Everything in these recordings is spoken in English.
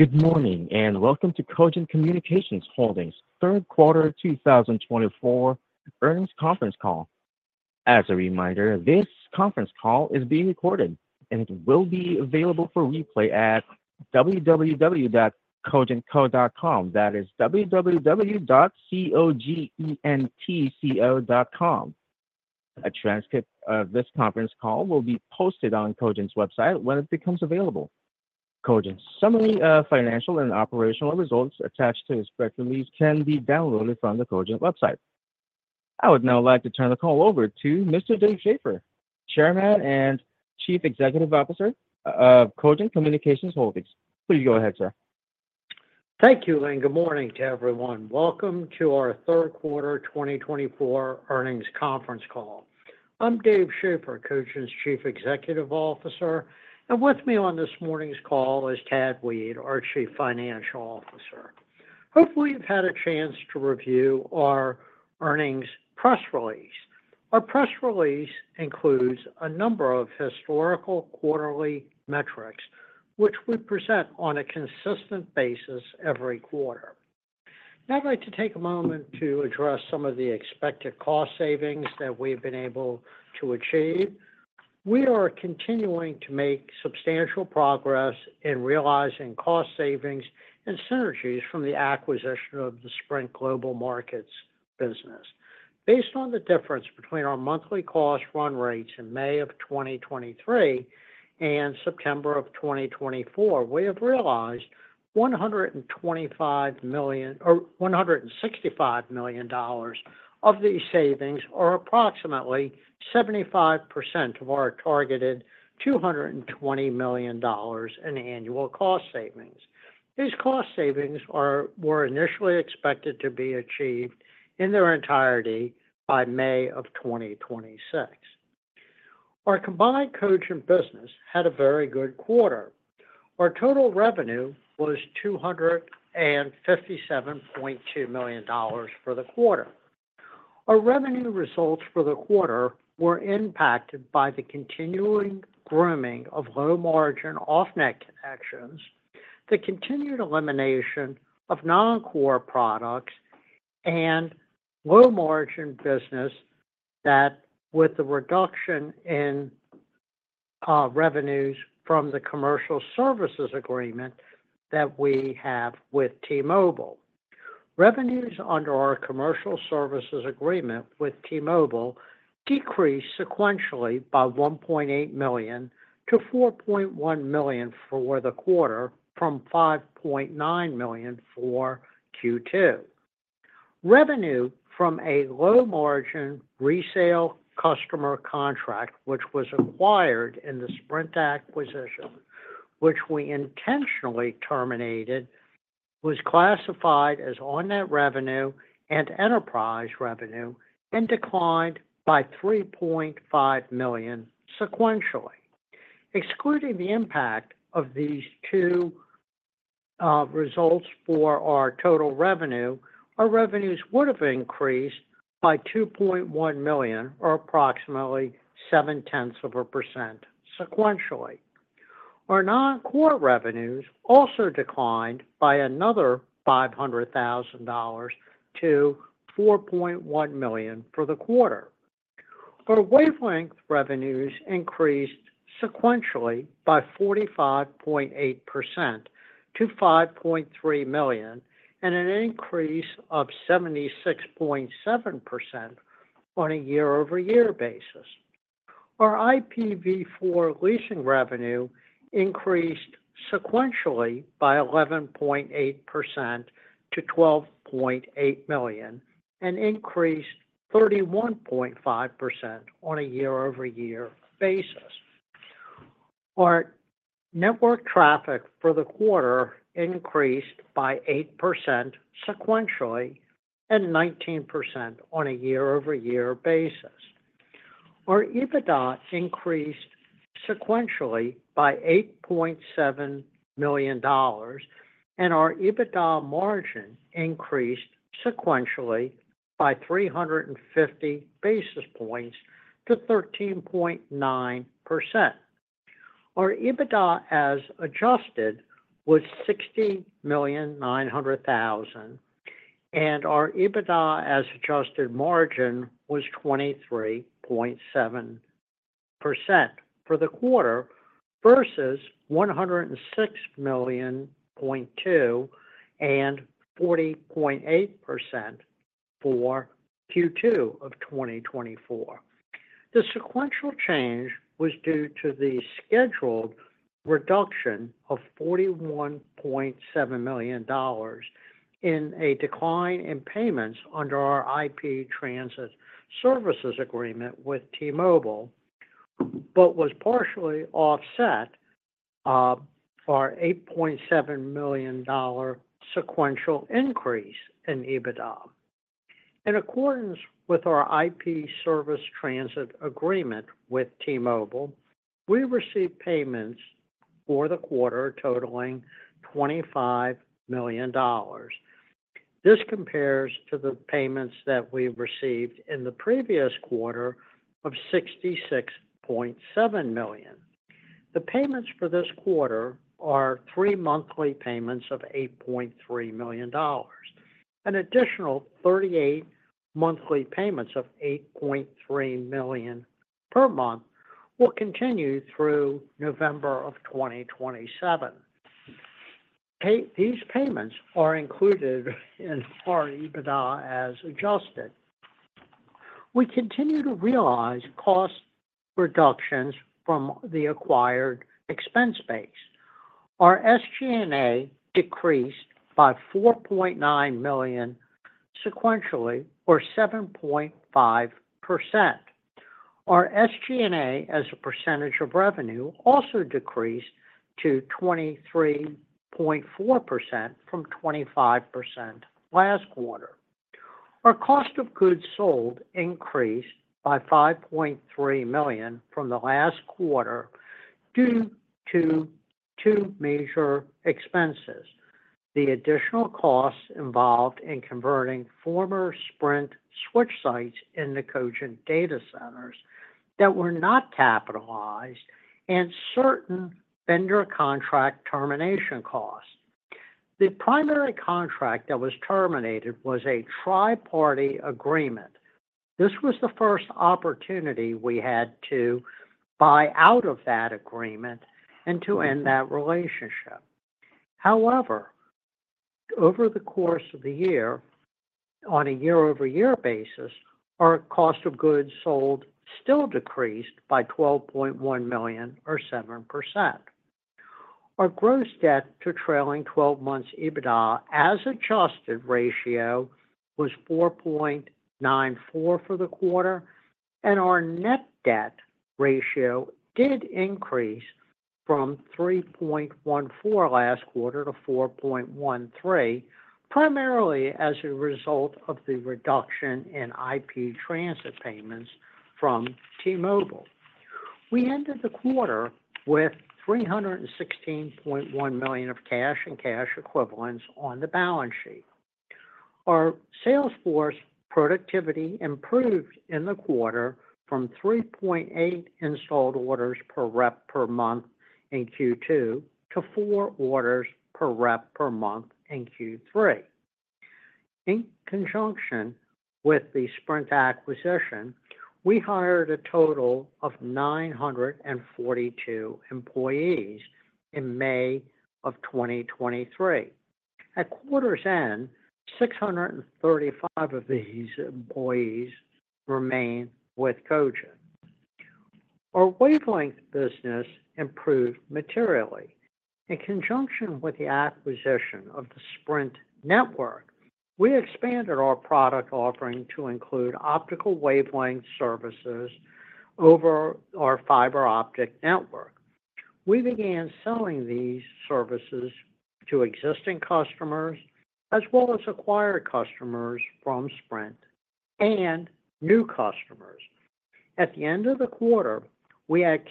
Good morning and welcome to Cogent Communications Holdings' Q3 2024 Earnings Conference Call. As a reminder, this conference call is being recorded and it will be available for replay at www.cogentco.com. That is www.cogentco.com. A transcript of this conference call will be posted on Cogent's website when it becomes available. Cogent's summary of financial and operational results attached to its press release can be downloaded from the Cogent website. I would now like to turn the call over to Mr. Dave Schaeffer, Chairman and Chief Executive Officer of Cogent Communications Holdings. Please go ahead, sir. Thank you and good morning to everyone. Welcome to our third quarter 2024 earnings conference call. I'm Dave Schaeffer, Cogent's Chief Executive Officer, and with me on this morning's call is Tad Weed, our Chief Financial Officer. Hopefully, you've had a chance to review our earnings press release. Our press release includes a number of historical quarterly metrics, which we present on a consistent basis every quarter. Now I'd like to take a moment to address some of the expected cost savings that we have been able to achieve. We are continuing to make substantial progress in realizing cost savings and synergies from the acquisition of the Sprint Global Markets business. Based on the difference between our monthly cost run rates in May of 2023 and September of 2024, we have realized $165 million of these savings, are approximately 75% of our targeted $220 million in annual cost savings. These cost savings were initially expected to be achieved in their entirety by May of 2026. Our combined Cogent business had a very good quarter. Our total revenue was $257.2 million for the quarter. Our revenue results for the quarter were impacted by the continuing grooming of low-margin off-net connections, the continued elimination of non-core products, and low-margin business that with the reduction in revenues from the Commercial Services Agreement that we have with T-Mobile. Revenues under our Commercial Services Agreement with T-Mobile decreased sequentially by $1.8 million-$4.1 million for the quarter from $5.9 million for Q2. Revenue from a low-margin resale customer contract, which was acquired in the Sprint acquisition, which we intentionally terminated, was classified as on-net revenue and enterprise revenue and declined by $3.5 million sequentially. Excluding the impact of these two results for our total revenue, our revenues would have increased by $2.1 million or approximately 7/10 of a percent sequentially. Our non-core revenues also declined by another $500,000-$4.1 million for the quarter. Our wavelength revenues increased sequentially by 45.8% to $5.3 million and an increase of 76.7% on a year-over-year basis. Our IPv4 leasing revenue increased sequentially by 11.8% to $12.8 million and increased 31.5% on a year-over-year basis. Our network traffic for the quarter increased by 8% sequentially and 19% on a year-over-year basis. Our EBITDA increased sequentially by $8.7 million and our EBITDA margin increased sequentially by 350 basis points to 13.9%. Our EBITDA as adjusted was $60,900,000 and our EBITDA as adjusted margin was 23.7% for the quarter versus $106.2 million and 40.8% for Q2 of 2024. The sequential change was due to the scheduled reduction of $41.7 million in a decline in payments under our IP Transit Services Agreement with T-Mobile, but was partially offset by our $8.7 million sequential increase in EBITDA. In accordance with our IP Transit Services Agreement with T-Mobile, we received payments for the quarter totaling $25 million. This compares to the payments that we received in the previous quarter of $66.7 million. The payments for this quarter are three monthly payments of $8.3 million. An additional 38 monthly payments of $8.3 million per month will continue through November of 2027. These payments are included in our EBITDA as adjusted. We continue to realize cost reductions from the acquired expense base. Our SG&A decreased by $4.9 million sequentially or 7.5%. Our SG&A as a percentage of revenue also decreased to 23.4% from 25% last quarter. Our cost of goods sold increased by $5.3 million from the last quarter due to two major expenses: the additional costs involved in converting former Sprint switch sites into Cogent data centers that were not capitalized, and certain vendor contract termination costs. The primary contract that was terminated was a triparty agreement. This was the first opportunity we had to buy out of that agreement and to end that relationship. However, over the course of the year, on a year-over-year basis, our cost of goods sold still decreased by $12.1 million or 7%. Our gross debt to trailing 12 months EBITDA as adjusted ratio was 4.94 for the quarter, and our net debt ratio did increase from 3.14 last quarter to 4.13, primarily as a result of the reduction in IP transit payments from T-Mobile. We ended the quarter with $316.1 million of cash and cash equivalents on the balance sheet. Our sales force productivity improved in the quarter from 3.8 installed orders per rep per month in Q2 to four orders per rep per month in Q3. In conjunction with the Sprint acquisition, we hired a total of 942 employees in May of 2023. At quarter's end, 635 of these employees remain with Cogent. Our wavelength business improved materially. In conjunction with the acquisition of the Sprint network, we expanded our product offering to include optical wavelength services over our fiber optic network. We began selling these services to existing customers as well as acquired customers from Sprint and new customers. At the end of the quarter, we had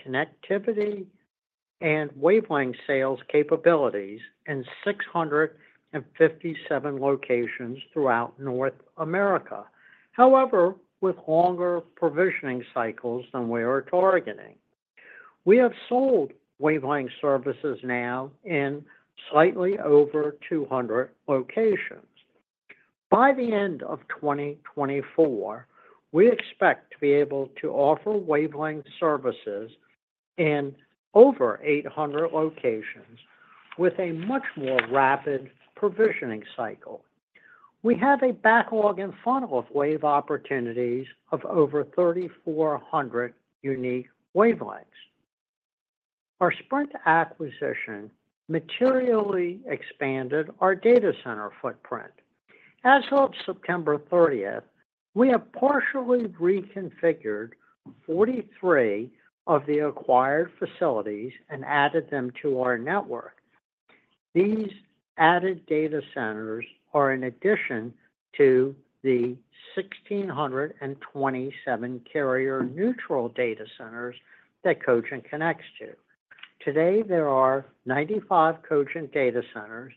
connectivity and wavelength sales capabilities in 657 locations throughout North America, however, with longer provisioning cycles than we are targeting. We have sold wavelength services now in slightly over 200 locations. By the end of 2024, we expect to be able to offer wavelength services in over 800 locations with a much more rapid provisioning cycle. We have a backlog and funnel of wave opportunities of over 3,400 unique wavelengths. Our Sprint acquisition materially expanded our data center footprint. As of September 30th, we have partially reconfigured 43 of the acquired facilities and added them to our network. These added data centers are in addition to the 1,627 carrier-neutral data centers that Cogent connects to. Today, there are 95 Cogent data centers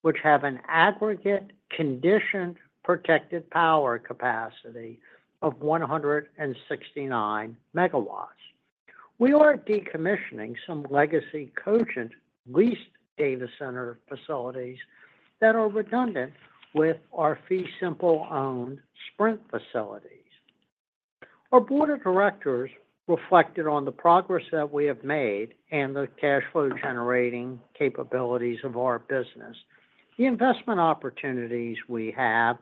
which have an aggregate conditioned protected power capacity of 169 MW. We are decommissioning some legacy Cogent leased data center facilities that are redundant with our fee simple-owned Sprint facilities. Our board of directors reflected on the progress that we have made and the cash flow generating capabilities of our business, the investment opportunities we have,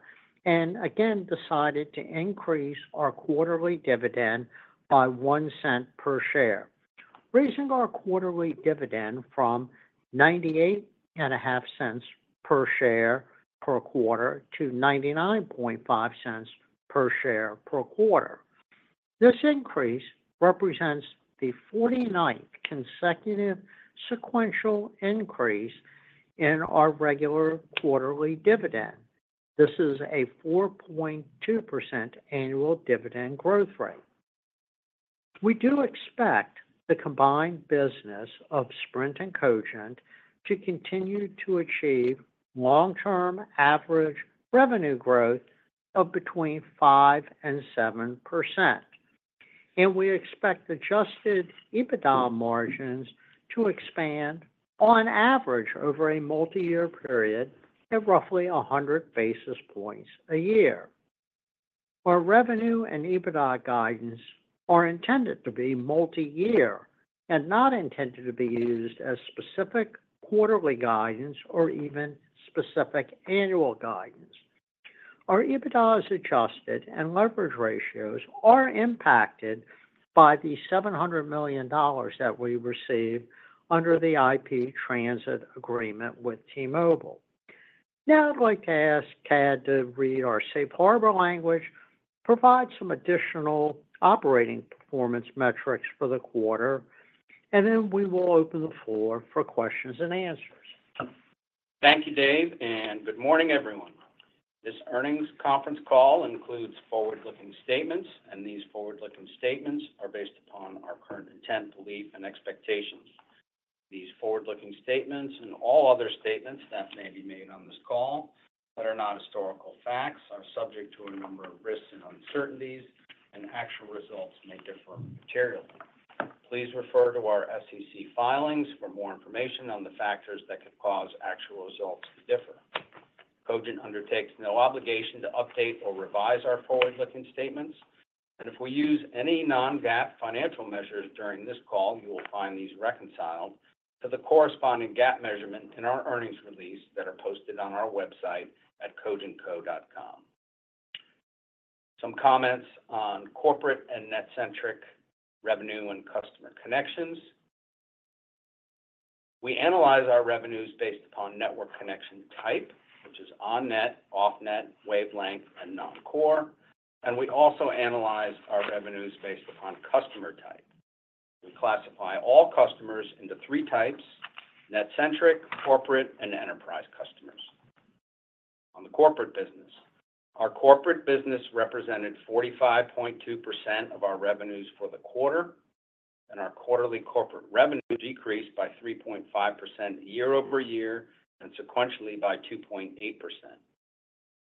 and again decided to increase our quarterly dividend by $0.01 per share, raising our quarterly dividend from $0.985 per share per quarter to $0.995 per share per quarter. This increase represents the 49th consecutive sequential increase in our regular quarterly dividend. This is a 4.2% annual dividend growth rate. We do expect the combined business of Sprint and Cogent to continue to achieve long-term average revenue growth of between 5%-7%, and we expect adjusted EBITDA margins to expand on average over a multi-year period at roughly 100 basis points a year. Our revenue and EBITDA guidance are intended to be multi-year and not intended to be used as specific quarterly guidance or even specific annual guidance. Our EBITDA as adjusted and leverage ratios are impacted by the $700 million that we received under the IP Transit Agreement with T-Mobile. Now I'd like to ask Tad to read our safe harbor language, provide some additional operating performance metrics for the quarter, and then we will open the floor for questions and answers. Thank you, Dave, and good morning, everyone. This earnings conference call includes forward-looking statements, and these forward-looking statements are based upon our current intent, belief, and expectations. These forward-looking statements and all other statements that may be made on this call that are not historical facts are subject to a number of risks and uncertainties, and actual results may differ materially. Please refer to our SEC filings for more information on the factors that could cause actual results to differ. Cogent undertakes no obligation to update or revise our forward-looking statements, and if we use any non-GAAP financial measures during this call, you will find these reconciled to the corresponding GAAP measurement in our earnings release that are posted on our website at cogentco.com. Some comments on corporate and NetCentric revenue and customer connections. We analyze our revenues based upon network connection type, which is on-net, off-net, wavelength, and non-core, and we also analyze our revenues based upon customer type. We classify all customers into three types: NetCentric, corporate, and enterprise customers. On the corporate business, our corporate business represented 45.2% of our revenues for the quarter, and our quarterly corporate revenue decreased by 3.5% year-over-year and sequentially by 2.8%.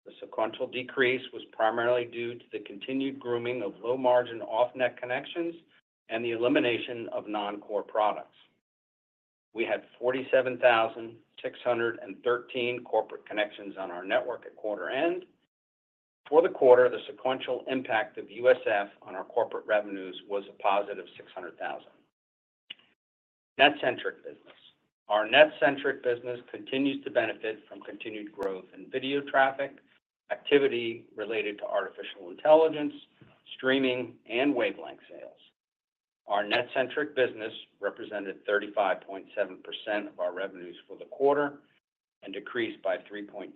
The sequential decrease was primarily due to the continued grooming of low-margin off-net connections and the elimination of non-core products. We had 47,613 corporate connections on our network at quarter end. For the quarter, the sequential impact of USF on our corporate revenues was a positive $600,000. NetCentric business. Our NetCentric business continues to benefit from continued growth in video traffic, activity related to artificial intelligence, streaming, and wavelength sales. Our NetCentric business represented 35.7% of our revenues for the quarter and decreased by 3.2%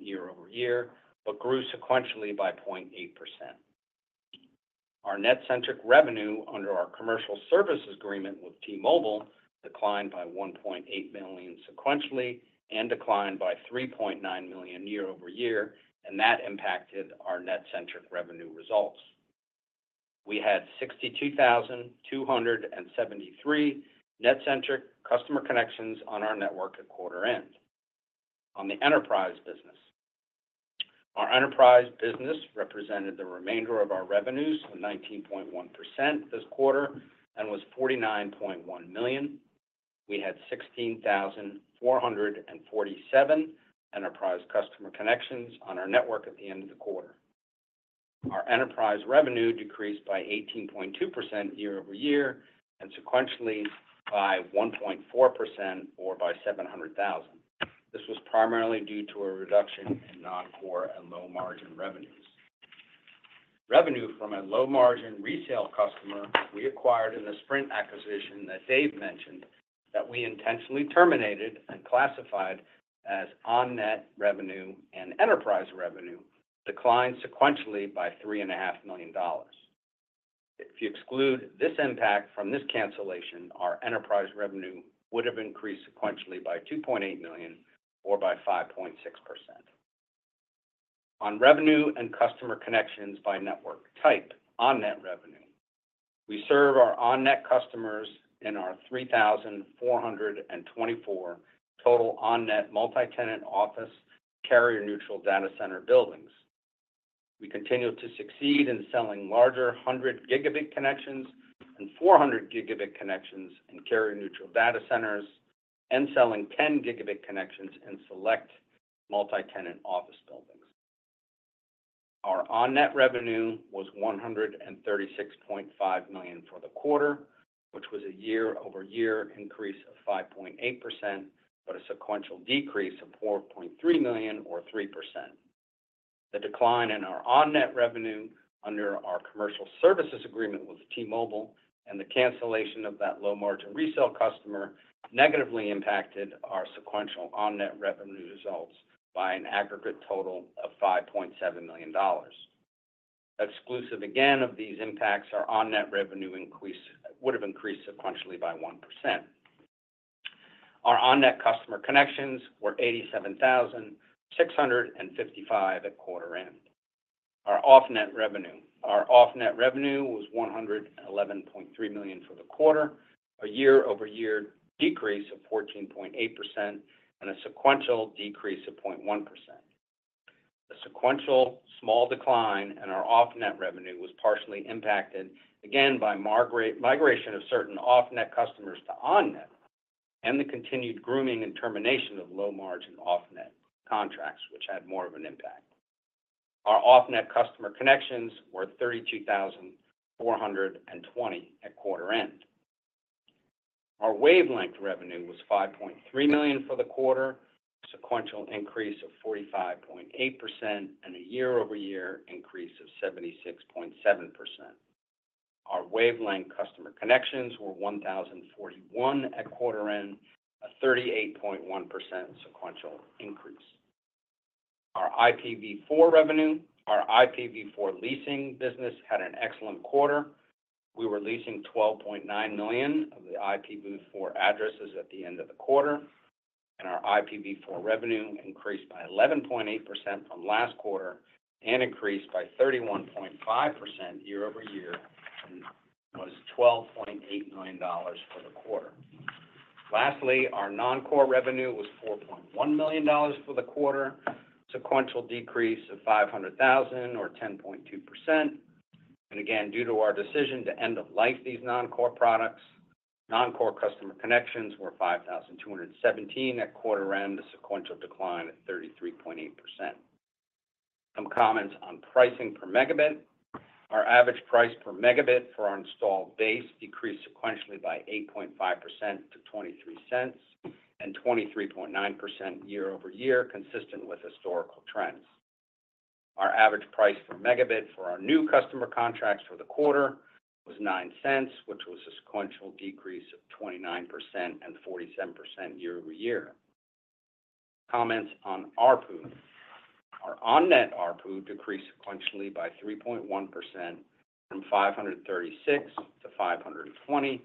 year-over-year, but grew sequentially by 0.8%. Our NetCentric revenue under our Commercial Services Agreement with T-Mobile declined by $1.8 million sequentially and declined by $3.9 million year-over-year, and that impacted our NetCentric revenue results. We had 62,273 NetCentric customer connections on our network at quarter end. On the enterprise business, our enterprise business represented the remainder of our revenues of 19.1% this quarter and was $49.1 million. We had 16,447 enterprise customer connections on our network at the end of the quarter. Our enterprise revenue decreased by 18.2% year-over-year and sequentially by 1.4% or by $700,000. This was primarily due to a reduction in non-core and low-margin revenues. Revenue from a low-margin resale customer we acquired in the Sprint acquisition that Dave mentioned that we intentionally terminated and classified as on-net revenue and enterprise revenue declined sequentially by $3.5 million. If you exclude this impact from this cancellation, our enterprise revenue would have increased sequentially by $2.8 million or by 5.6%. On revenue and customer connections by network type, on-net revenue, we serve our on-net customers in our 3,424 total on-net multi-tenant office carrier-neutral data center buildings. We continue to succeed in selling larger 100 Gb connections and 400 Gb connections in carrier-neutral data centers and selling 10 Gb connections in select multi-tenant office buildings. Our on-net revenue was $136.5 million for the quarter, which was a year-over-year increase of 5.8%, but a sequential decrease of $4.3 million or 3%. The decline in our on-net revenue under our Commercial Services Agreement with T-Mobile and the cancellation of that low-margin resale customer negatively impacted our sequential on-net revenue results by an aggregate total of $5.7 million. Exclusive again of these impacts, our on-net revenue would have increased sequentially by 1%. Our on-net customer connections were 87,655 at quarter end. Our off-net revenue was $111.3 million for the quarter, a year-over-year decrease of 14.8%, and a sequential decrease of 0.1%. The sequential small decline in our off-net revenue was partially impacted again by migration of certain off-net customers to on-net and the continued grooming and termination of low-margin off-net contracts, which had more of an impact. Our off-net customer connections were 32,420 at quarter end. Our wavelength revenue was $5.3 million for the quarter, a sequential increase of 45.8%, and a year-over-year increase of 76.7%. Our wavelength customer connections were 1,041 at quarter end, a 38.1% sequential increase. Our IPv4 revenue, our IPv4 leasing business had an excellent quarter. We were leasing 12.9 million of the IPv4 addresses at the end of the quarter, and our IPv4 revenue increased by 11.8% from last quarter and increased by 31.5% year-over-year and was $12.8 million for the quarter. Lastly, our non-core revenue was $4.1 million for the quarter, a sequential decrease of $500,000 or 10.2%, and again, due to our decision to end of life these non-core products, non-core customer connections were 5,217 at quarter end, a sequential decline of 33.8%. Some comments on pricing per megabit. Our average price per megabit for our installed base decreased sequentially by 8.5%-$0.23 and 23.9% year-over-year, consistent with historical trends. Our average price per megabit for our new customer contracts for the quarter was $0.09, which was a sequential decrease of 29% and 47% year-over-year. Comments on ARPU. Our on-net ARPU decreased sequentially by 3.1% from $536-$520.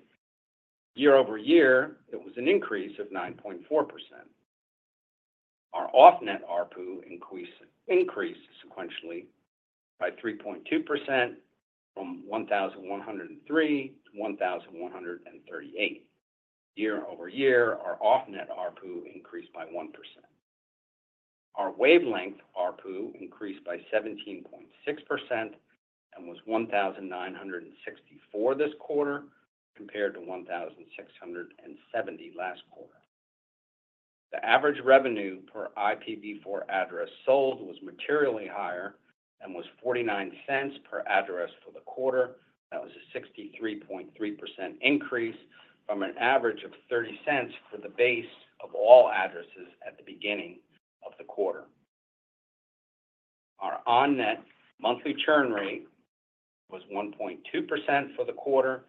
Year-over-year, it was an increase of 9.4%. Our off-net ARPU increased sequentially by 3.2% from $1,103-$1,138. Year-over-year, our off-net ARPU increased by 1%. Our wavelength ARPU increased by 17.6% and was $1,964 this quarter compared to $1,670 last quarter. The average revenue per IPv4 address sold was materially higher and was $0.49 per address for the quarter. That was a 63.3% increase from an average of $0.30 for the base of all addresses at the beginning of the quarter. Our on-net monthly churn rate was 1.2% for the quarter.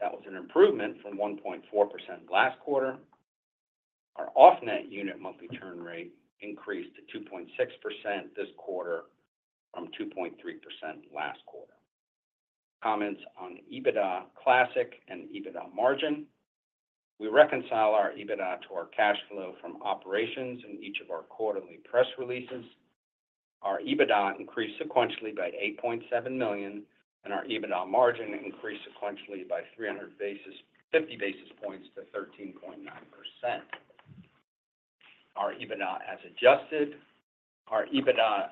That was an improvement from 1.4% last quarter. Our off-net unit monthly churn rate increased to 2.6% this quarter from 2.3% last quarter. Comments on EBITDA classic and EBITDA margin. We reconcile our EBITDA to our cash flow from operations in each of our quarterly press releases. Our EBITDA increased sequentially by $8.7 million, and our EBITDA margin increased sequentially by 350 basis points to 13.9%. Our EBITDA as adjusted. Our EBITDA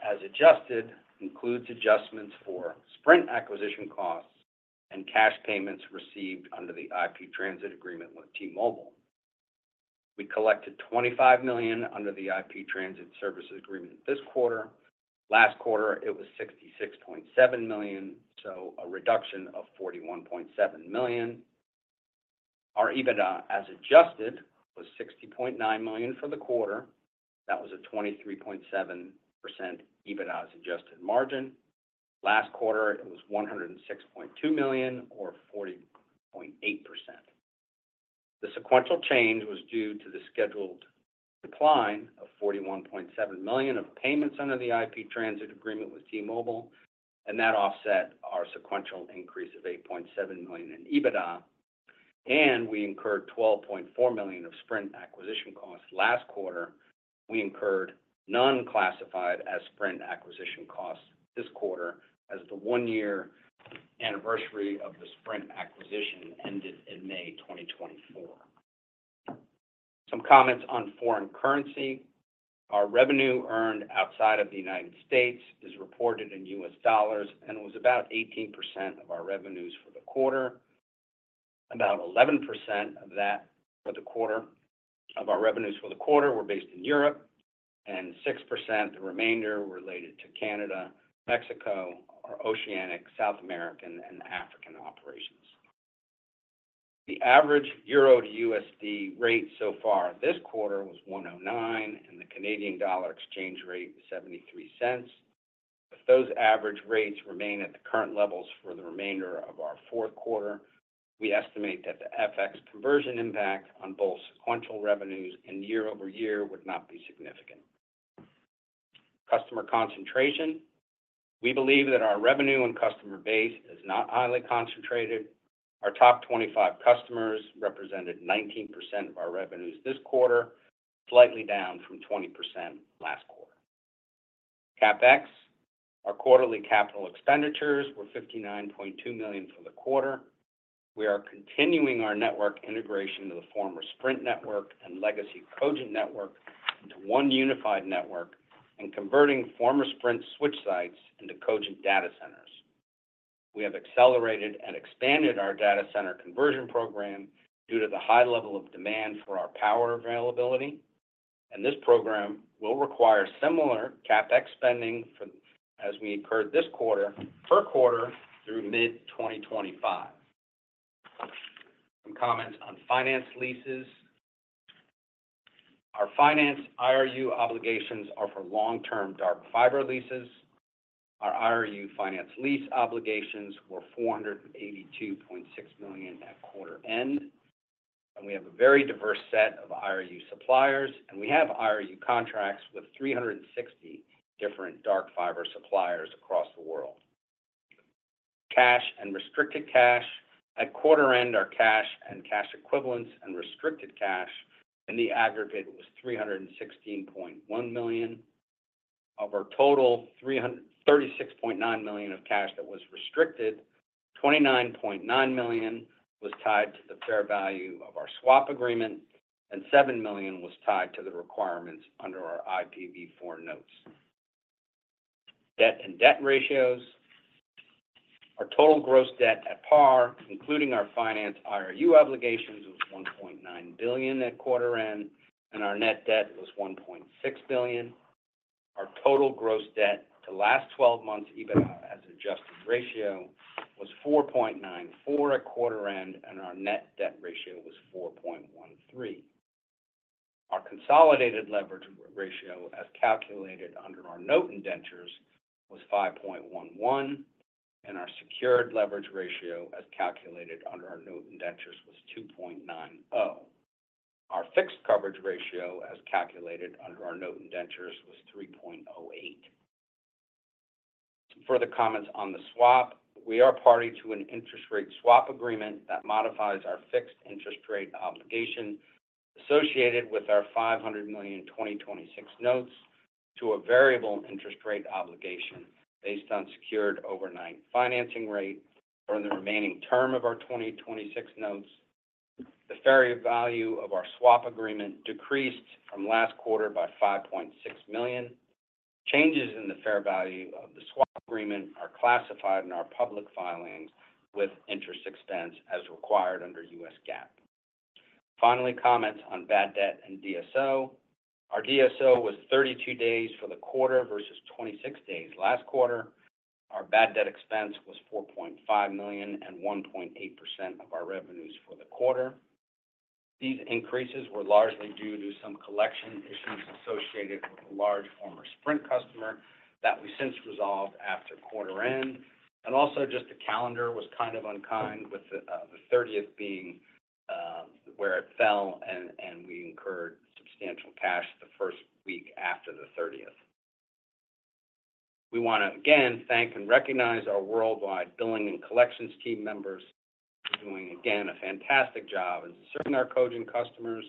as adjusted includes adjustments for Sprint acquisition costs and cash payments received under the IP Transit Agreement with T-Mobile. We collected $25 million under the IP Transit Services Agreement this quarter. Last quarter, it was $66.7 million, so a reduction of $41.7 million. Our EBITDA as adjusted was $60.9 million for the quarter. That was a 23.7% EBITDA as adjusted margin. Last quarter, it was $106.2 million or 40.8%. The sequential change was due to the scheduled decline of $41.7 million of payments under the IP Transit Agreement with T-Mobile, and that offset our sequential increase of $8.7 million in EBITDA, and we incurred $12.4 million of Sprint acquisition costs last quarter. We incurred none classified as Sprint acquisition costs this quarter as the one-year anniversary of the Sprint acquisition ended in May 2024. Some comments on foreign currency. Our revenue earned outside of the United States is reported in U.S. dollars and was about 18% of our revenues for the quarter. About 11% of that for the quarter of our revenues for the quarter were based in Europe, and 6%, the remainder related to Canada, Mexico, or Oceania, South America, and African operations. The average euro to USD rate so far this quarter was 1.09, and the Canadian dollar exchange rate was $0.73. If those average rates remain at the current levels for the remainder of our fourth quarter, we estimate that the FX conversion impact on both sequential revenues and year-over-year would not be significant. Customer concentration. We believe that our revenue and customer base is not highly concentrated. Our top 25 customers represented 19% of our revenues this quarter, slightly down from 20% last quarter. CapEx. Our quarterly capital expenditures were $59.2 million for the quarter. We are continuing our network integration to the former Sprint network and legacy Cogent network into one unified network and converting former Sprint switch sites into Cogent data centers. We have accelerated and expanded our data center conversion program due to the high level of demand for our power availability, and this program will require similar CapEx spending as we incurred this quarter per quarter through mid-2025. Some comments on finance leases. Our finance IRU obligations are for long-term dark fiber leases. Our IRU finance lease obligations were $482.6 million at quarter end, and we have a very diverse set of IRU suppliers, and we have IRU contracts with 360 different dark fiber suppliers across the world. Cash and restricted cash. At quarter end, our cash and cash equivalents and restricted cash in the aggregate was $316.1 million. Of our total, $36.9 million of cash that was restricted, $29.9 million was tied to the fair value of our swap agreement, and $7 million was tied to the requirements under our IPv4 notes. Debt and debt ratios. Our total gross debt at par, including our finance IRU obligations, was $1.9 billion at quarter end, and our net debt was $1.6 billion. Our total gross debt to last 12 months EBITDA as adjusted ratio was 4.94 at quarter end, and our net debt ratio was 4.13. Our consolidated leverage ratio as calculated under our note indentures was 5.11, and our secured leverage ratio as calculated under our note indentures was 2.90. Our fixed coverage ratio as calculated under our note indentures was 3.08. Some further comments on the swap. We are party to an interest rate swap agreement that modifies our fixed interest rate obligation associated with our $500 million 2026 notes to a variable interest rate obligation based on Secured Overnight Financing Rate for the remaining term of our 2026 notes. The fair value of our swap agreement decreased from last quarter by $5.6 million. Changes in the fair value of the swap agreement are classified in our public filings with interest expense as required under U.S. GAAP. Finally, comments on bad debt and DSO. Our DSO was 32 days for the quarter versus 26 days last quarter. Our bad debt expense was $4.5 million and 1.8% of our revenues for the quarter. These increases were largely due to some collection issues associated with a large former Sprint customer that we since resolved after quarter end, and also, just the calendar was kind of unkind with the 30th being where it fell, and we incurred substantial cash the first week after the 30th. We want to again thank and recognize our worldwide billing and collections team members for doing again a fantastic job in serving our Cogent customers,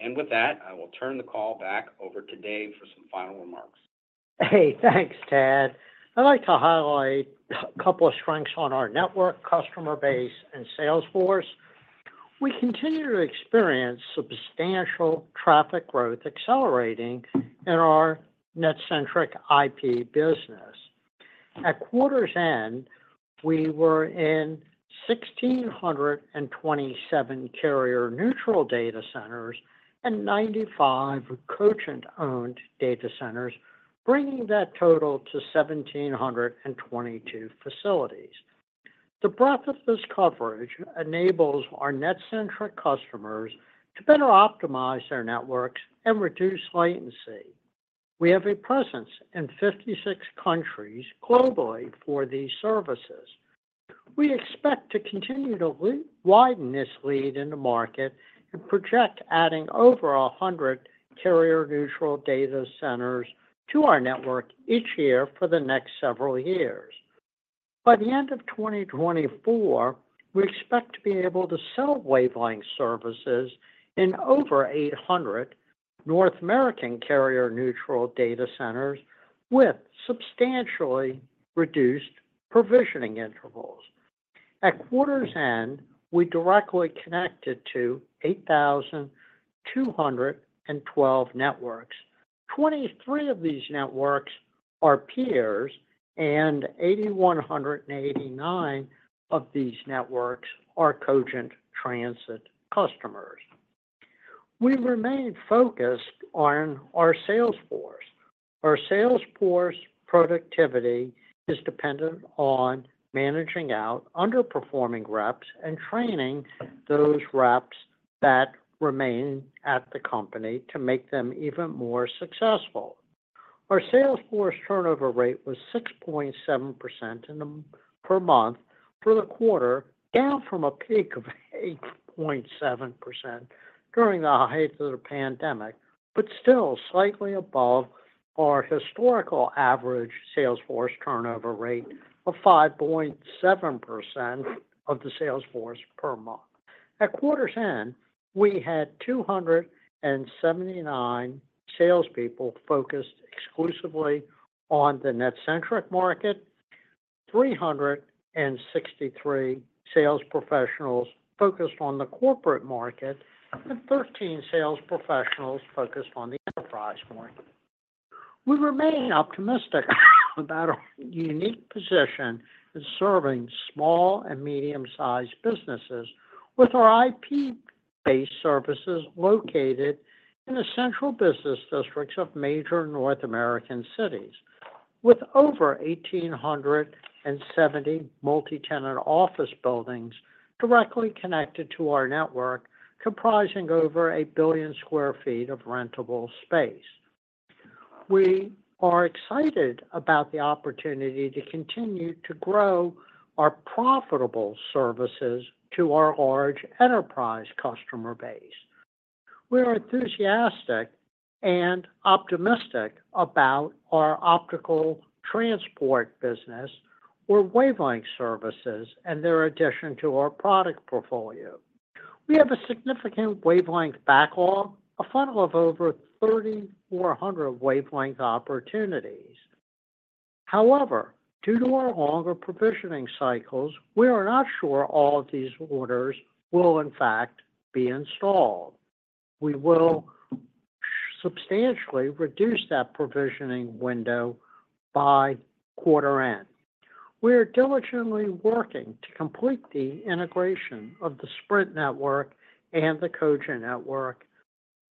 and with that, I will turn the call back over to Dave for some final remarks. Hey, thanks, Tad. I'd like to highlight a couple of strengths on our network customer base and sales force. We continue to experience substantial traffic growth accelerating in our NetCentric IP business. At quarter's end, we were in 1,627 carrier-neutral data centers and 95 Cogent-owned data centers, bringing that total to 1,722 facilities. The breadth of this coverage enables our NetCentric customers to better optimize their networks and reduce latency. We have a presence in 56 countries globally for these services. We expect to continue to widen this lead in the market and project adding over 100 carrier-neutral data centers to our network each year for the next several years. By the end of 2024, we expect to be able to sell wavelength services in over 800 North American carrier-neutral data centers with substantially reduced provisioning intervals. At quarter's end, we directly connected to 8,212 networks. 23 of these networks are peers, and 8,189 of these networks are Cogent transit customers. We remain focused on our sales force. Our sales force productivity is dependent on managing out underperforming reps and training those reps that remain at the company to make them even more successful. Our sales force turnover rate was 6.7% per month for the quarter, down from a peak of 8.7% during the height of the pandemic, but still slightly above our historical average sales force turnover rate of 5.7% of the sales force per month. At quarter's end, we had 279 salespeople focused exclusively on the NetCentric market, 363 sales professionals focused on the corporate market, and 13 sales professionals focused on the enterprise market. We remain optimistic about our unique position in serving small and medium-sized businesses, with our IP-based services located in the central business districts of major North American cities, with over 1,870 multi-tenant office buildings directly connected to our network, comprising over a billion sq ft of rentable space. We are excited about the opportunity to continue to grow our profitable services to our large enterprise customer base. We are enthusiastic and optimistic about our optical transport business, our wavelength services, and their addition to our product portfolio. We have a significant wavelength backlog, a funnel of over 3,400 wavelength opportunities. However, due to our longer provisioning cycles, we are not sure all of these orders will, in fact, be installed. We will substantially reduce that provisioning window by quarter end. We are diligently working to complete the integration of the Sprint network and the Cogent network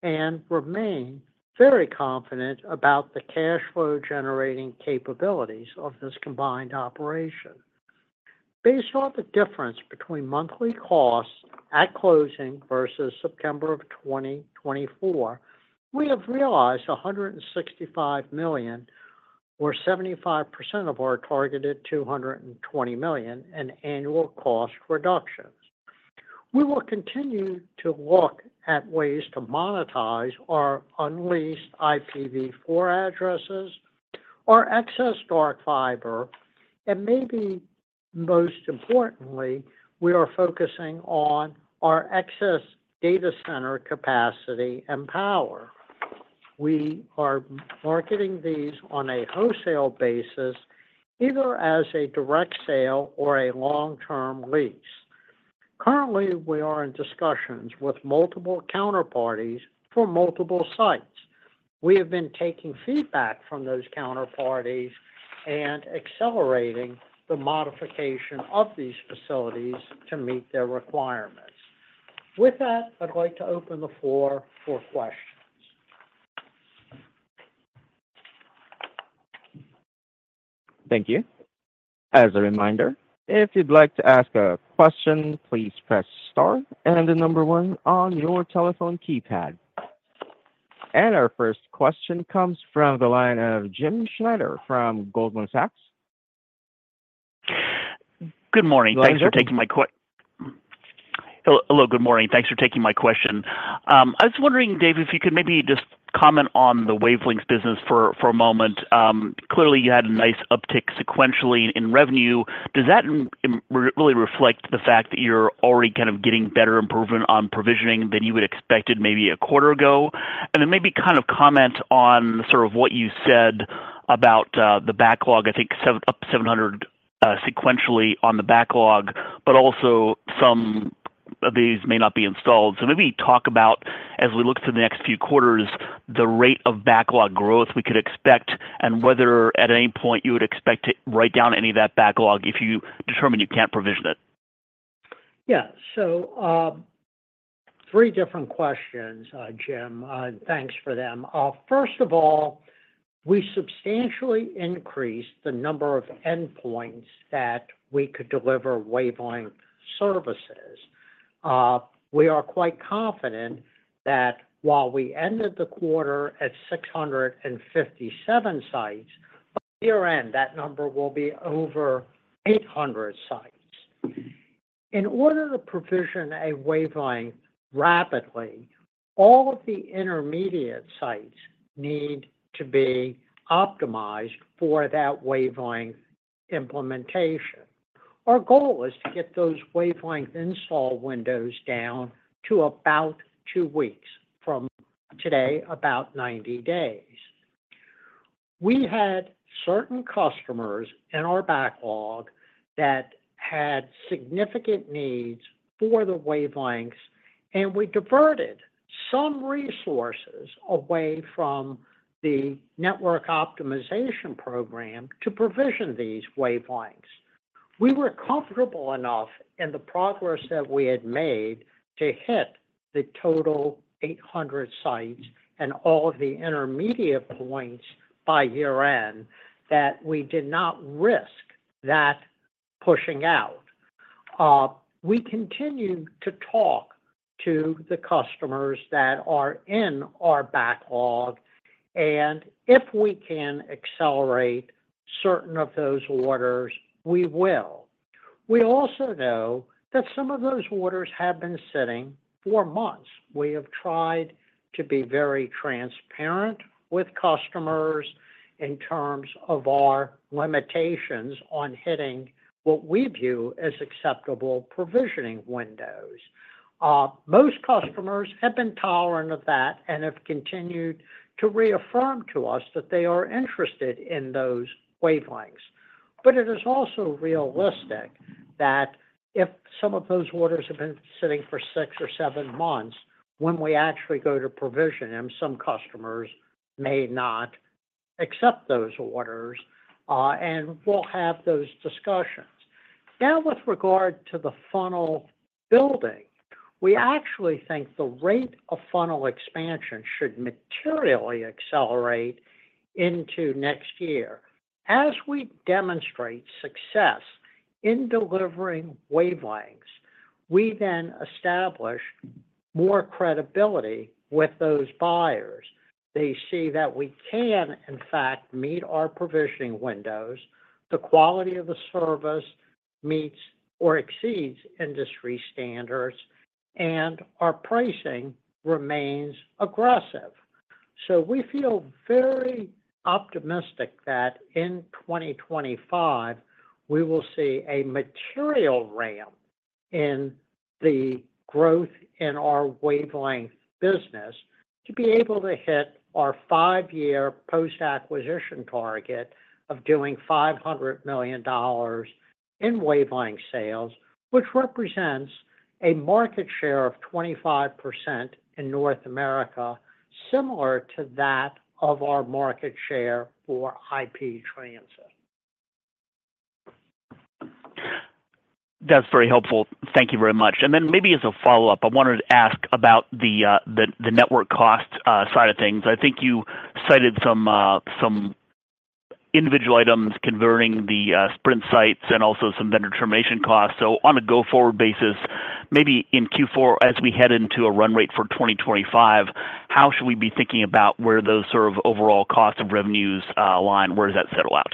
and remain very confident about the cash flow-generating capabilities of this combined operation. Based on the difference between monthly costs at closing versus September of 2024, we have realized $165 million, or 75% of our targeted $220 million, in annual cost reductions. We will continue to look at ways to monetize our unleased IPv4 addresses, our excess dark fiber, and maybe most importantly, we are focusing on our excess data center capacity and power. We are marketing these on a wholesale basis, either as a direct sale or a long-term lease. Currently, we are in discussions with multiple counterparties for multiple sites. We have been taking feedback from those counterparties and accelerating the modification of these facilities to meet their requirements. With that, I'd like to open the floor for questions. Thank you. As a reminder, if you'd like to ask a question, please press star and the number one on your telephone keypad. Our first question comes from the line of Jim Schneider from Goldman Sachs. Good morning. Thanks for taking my question. Hello. Good morning. Thanks for taking my question. I was wondering, Dave, if you could maybe just comment on the wavelength business for a moment. Clearly, you had a nice uptick sequentially in revenue. Does that really reflect the fact that you're already kind of getting better improvement on provisioning than you would have expected maybe a quarter ago? And then maybe kind of comment on sort of what you said about the backlog. I think up 700 sequentially on the backlog, but also some of these may not be installed. So maybe talk about, as we look to the next few quarters, the rate of backlog growth we could expect and whether at any point you would expect to write down any of that backlog if you determine you can't provision it. Yeah. So three different questions, Jim. Thanks for them. First of all, we substantially increased the number of endpoints that we could deliver wavelength services. We are quite confident that while we ended the quarter at 657 sites, by year-end, that number will be over 800 sites. In order to provision a wavelength rapidly, all of the intermediate sites need to be optimized for that wavelength implementation. Our goal is to get those wavelength install windows down to about two weeks from today, about 90 days. We had certain customers in our backlog that had significant needs for the wavelengths, and we diverted some resources away from the network optimization program to provision these wavelengths. We were comfortable enough in the progress that we had made to hit the total 800 sites and all of the intermediate points by year-end that we did not risk that pushing out. We continue to talk to the customers that are in our backlog, and if we can accelerate certain of those orders, we will. We also know that some of those orders have been sitting for months. We have tried to be very transparent with customers in terms of our limitations on hitting what we view as acceptable provisioning windows. Most customers have been tolerant of that and have continued to reaffirm to us that they are interested in those wavelengths. But it is also realistic that if some of those orders have been sitting for six or seven months, when we actually go to provision them, some customers may not accept those orders, and we'll have those discussions. Now, with regard to the funnel building, we actually think the rate of funnel expansion should materially accelerate into next year. As we demonstrate success in delivering wavelengths, we then establish more credibility with those buyers. They see that we can, in fact, meet our provisioning windows, the quality of the service meets or exceeds industry standards, and our pricing remains aggressive. So we feel very optimistic that in 2025, we will see a material ramp in the growth in our wavelength business to be able to hit our five-year post-acquisition target of doing $500 million in wavelength sales, which represents a market share of 25% in North America, similar to that of our market share for IP transit. That's very helpful. Thank you very much. And then maybe as a follow-up, I wanted to ask about the network cost side of things. I think you cited some individual items converting the Sprint sites and also some vendor termination costs. So on a go-forward basis, maybe in Q4, as we head into a run rate for 2025, how should we be thinking about where those sort of overall costs of revenues align? Where does that settle out?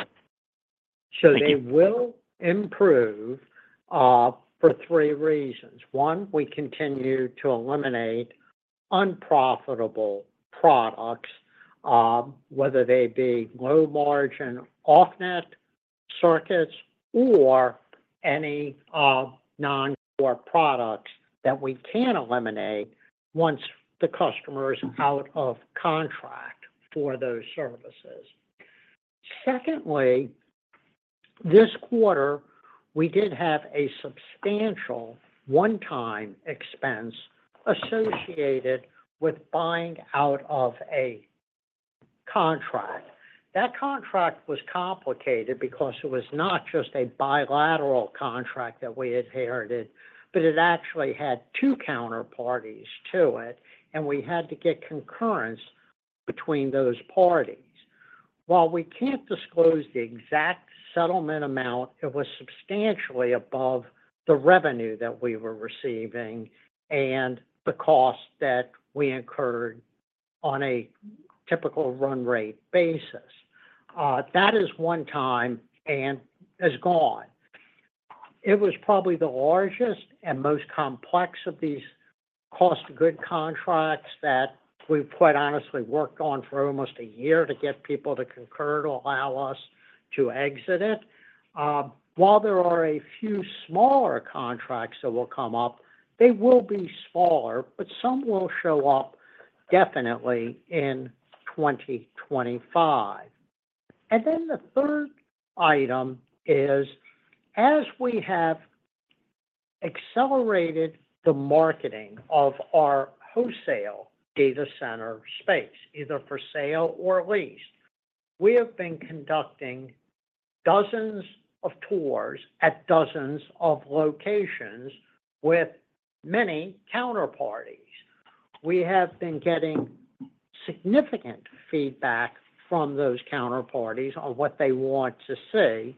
So they will improve for three reasons. One, we continue to eliminate unprofitable products, whether they be low-margin off-net circuits or any non-core products that we can eliminate once the customer is out of contract for those services. Secondly, this quarter, we did have a substantial one-time expense associated with buying out of a contract. That contract was complicated because it was not just a bilateral contract that we inherited, but it actually had two counterparties to it, and we had to get concurrence between those parties. While we can't disclose the exact settlement amount, it was substantially above the revenue that we were receiving and the cost that we incurred on a typical run rate basis. That is one time and is gone. It was probably the largest and most complex of these cost of goods contracts that we've quite honestly worked on for almost a year to get people to concur to allow us to exit it. While there are a few smaller contracts that will come up, they will be smaller, but some will show up definitely in 2025. And then the third item is, as we have accelerated the marketing of our wholesale data center space, either for sale or leased, we have been conducting dozens of tours at dozens of locations with many counterparties. We have been getting significant feedback from those counterparties on what they want to see.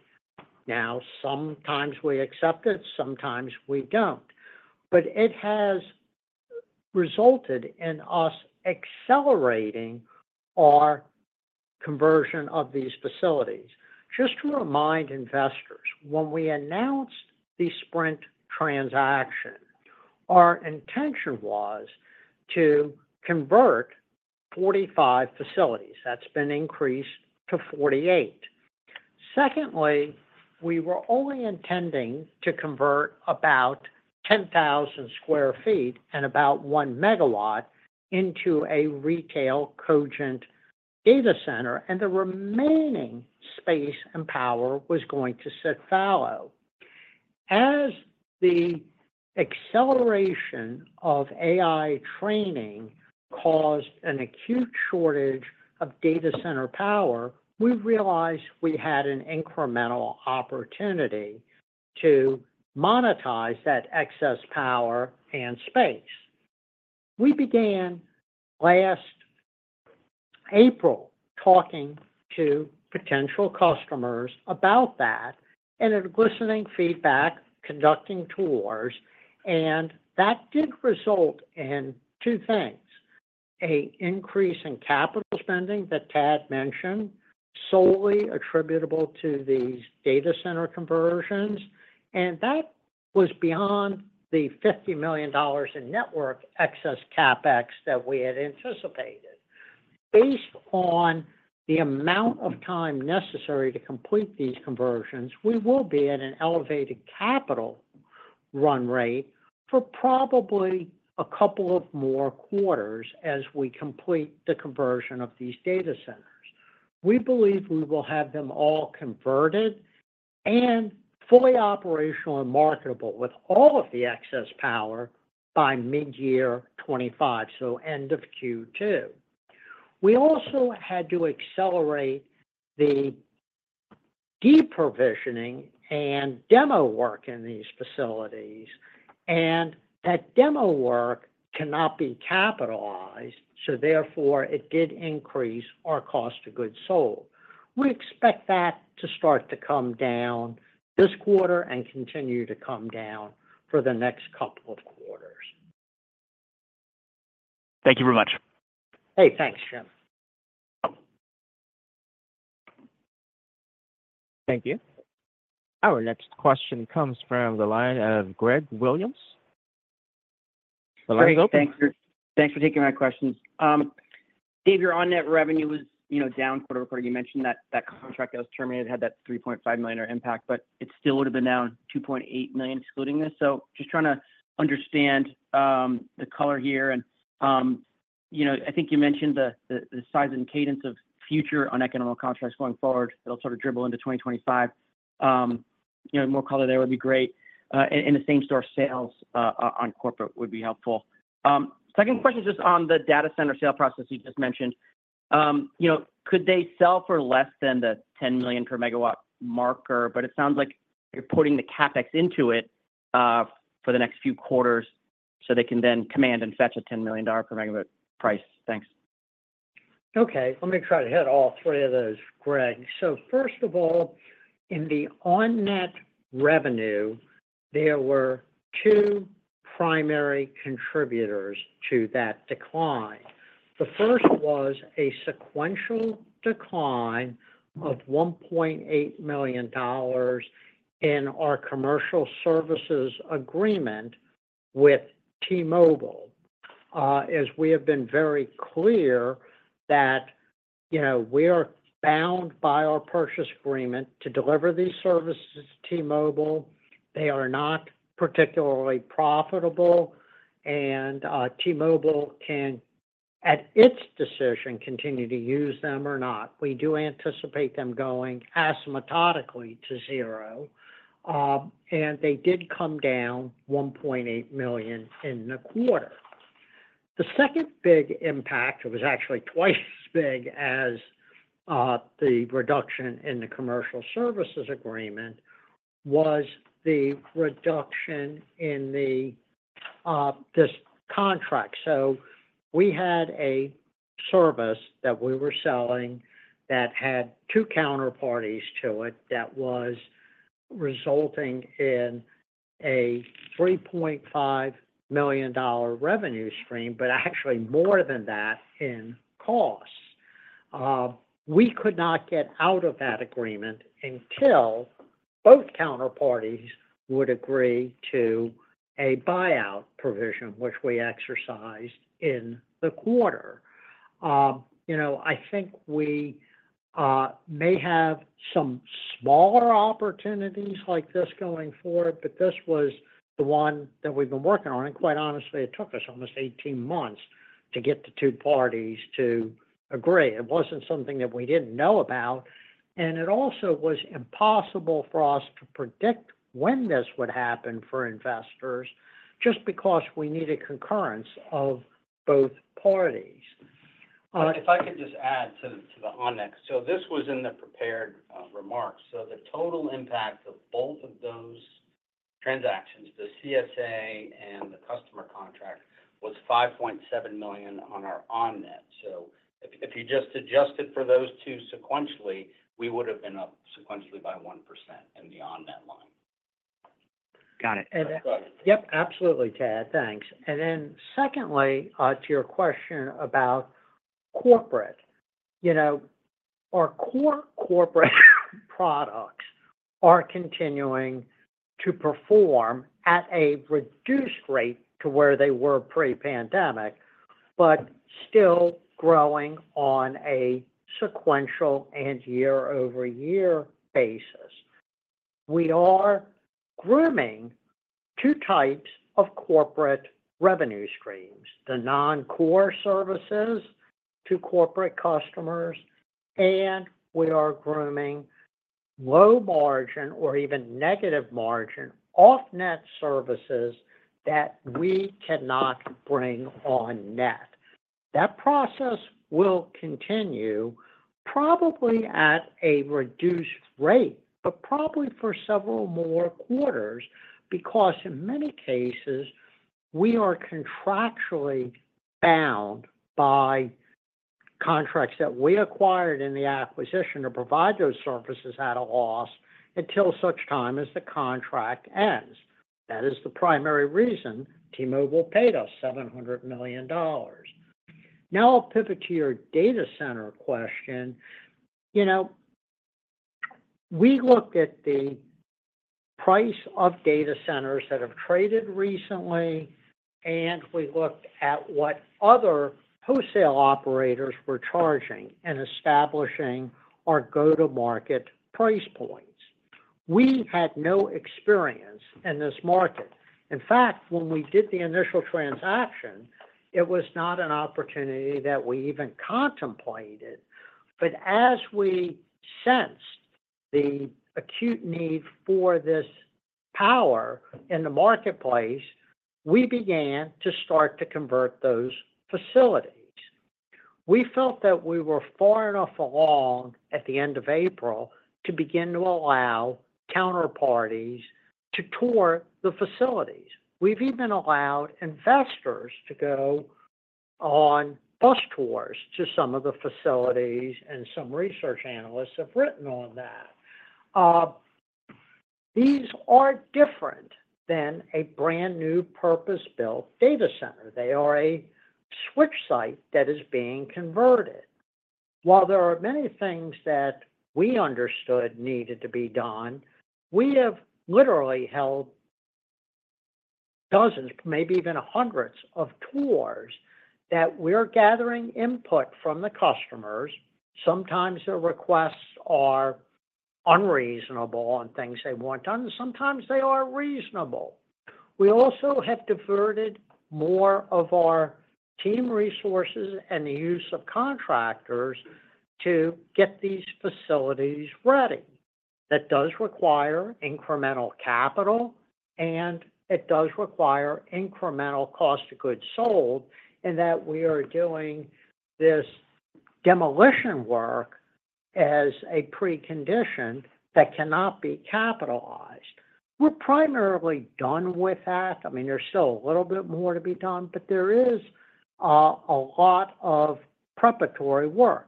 Now, sometimes we accept it, sometimes we don't. But it has resulted in us accelerating our conversion of these facilities. Just to remind investors, when we announced the Sprint transaction, our intention was to convert 45 facilities. That's been increased to 48. Secondly, we were only intending to convert about 10,000 sq ft and about one megawatt into a retail Cogent data center, and the remaining space and power was going to sit fallow. As the acceleration of AI training caused an acute shortage of data center power, we realized we had an incremental opportunity to monetize that excess power and space. We began last April talking to potential customers about that and enlisting feedback, conducting tours, and that did result in two things: an increase in capital spending that Tad mentioned, solely attributable to these data center conversions, and that was beyond the $50 million in network excess CapEx that we had anticipated. Based on the amount of time necessary to complete these conversions, we will be at an elevated capital run rate for probably a couple of more quarters as we complete the conversion of these data centers. We believe we will have them all converted and fully operational and marketable with all of the excess power by mid-year 2025, so end of Q2. We also had to accelerate the deep provisioning and demo work in these facilities, and that demo work cannot be capitalized, so therefore it did increase our cost of goods sold. We expect that to start to come down this quarter and continue to come down for the next couple of quarters. Thank you very much. Hey, thanks, Jim. Thank you. Our next question comes from the line of Greg Williams. The line's open. Thanks for taking my questions. Dave, your on-net revenue was down quarter over quarter. You mentioned that contract that was terminated had that $3.5 million impact, but it still would have been down $2.8 million excluding this. So just trying to understand the color here. And I think you mentioned the size and cadence of future unaccountable contracts going forward that'll sort of dribble into 2025. More color there would be great. And the same-store sales on corporate would be helpful. Second question is just on the data center sale process you just mentioned. Could they sell for less than the $10 million per megawatt marker? But it sounds like you're putting the CapEx into it for the next few quarters so they can then command and fetch a $10 million per megawatt price. Thanks. Okay. Let me try to hit all three of those, Greg. So first of all, in the on-net revenue, there were two primary contributors to that decline. The first was a sequential decline of $1.8 million in our Commercial Services Agreement with T-Mobile, as we have been very clear that we are bound by our purchase agreement to deliver these services to T-Mobile. They are not particularly profitable, and T-Mobile can, at its decision, continue to use them or not. We do anticipate them going asymptotically to zero, and they did come down $1.8 million in the quarter. The second big impact, it was actually twice as big as the reduction in the Commercial Services Agreement, was the reduction in this contract. So we had a service that we were selling that had two counterparties to it that was resulting in a $3.5 million revenue stream, but actually more than that in costs. We could not get out of that agreement until both counterparties would agree to a buyout provision, which we exercised in the quarter. I think we may have some smaller opportunities like this going forward, but this was the one that we've been working on, and quite honestly, it took us almost 18 months to get the two parties to agree. It wasn't something that we didn't know about, and it also was impossible for us to predict when this would happen for investors just because we needed concurrence of both parties. If I could just add to the on-net. So this was in the prepared remarks. So the total impact of both of those transactions, the CSA and the customer contract, was $5.7 million on our on-net. So if you just adjusted for those two sequentially, we would have been up sequentially by 1% in the on-net line. Got it. Yep, absolutely, Tad. Thanks. And then secondly, to your question about corporate, our core corporate products are continuing to perform at a reduced rate to where they were pre-pandemic, but still growing on a sequential and year-over-year basis. We are grooming two types of corporate revenue streams: the non-core services to corporate customers, and we are grooming low-margin or even negative margin off-net services that we cannot bring on-net. That process will continue probably at a reduced rate, but probably for several more quarters because in many cases, we are contractually bound by contracts that we acquired in the acquisition to provide those services at a loss until such time as the contract ends. That is the primary reason T-Mobile paid us $700 million. Now, I'll pivot to your data center question. We looked at the price of data centers that have traded recently, and we looked at what other wholesale operators were charging and establishing our go-to-market price points. We had no experience in this market. In fact, when we did the initial transaction, it was not an opportunity that we even contemplated. But as we sensed the acute need for this power in the marketplace, we began to start to convert those facilities. We felt that we were far enough along at the end of April to begin to allow counterparties to tour the facilities. We've even allowed investors to go on bus tours to some of the facilities, and some research analysts have written on that. These are different than a brand new purpose-built data center. They are a switch site that is being converted. While there are many things that we understood needed to be done, we have literally held dozens, maybe even hundreds of tours that we're gathering input from the customers. Sometimes their requests are unreasonable on things they want done. Sometimes they are reasonable. We also have diverted more of our team resources and the use of contractors to get these facilities ready. That does require incremental capital, and it does require incremental cost of goods sold in that we are doing this demolition work as a precondition that cannot be capitalized. We're primarily done with that. I mean, there's still a little bit more to be done, but there is a lot of preparatory work.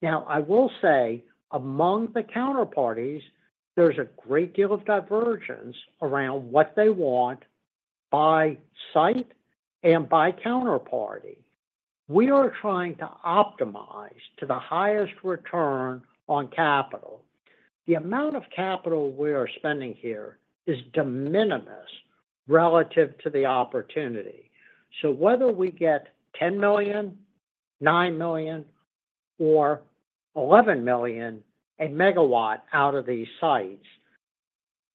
Now, I will say among the counterparties, there's a great deal of divergence around what they want by site and by counterparty. We are trying to optimize to the highest return on capital. The amount of capital we are spending here is de minimis relative to the opportunity. So whether we get $10 million, $9 million, or $11 million a megawatt out of these sites,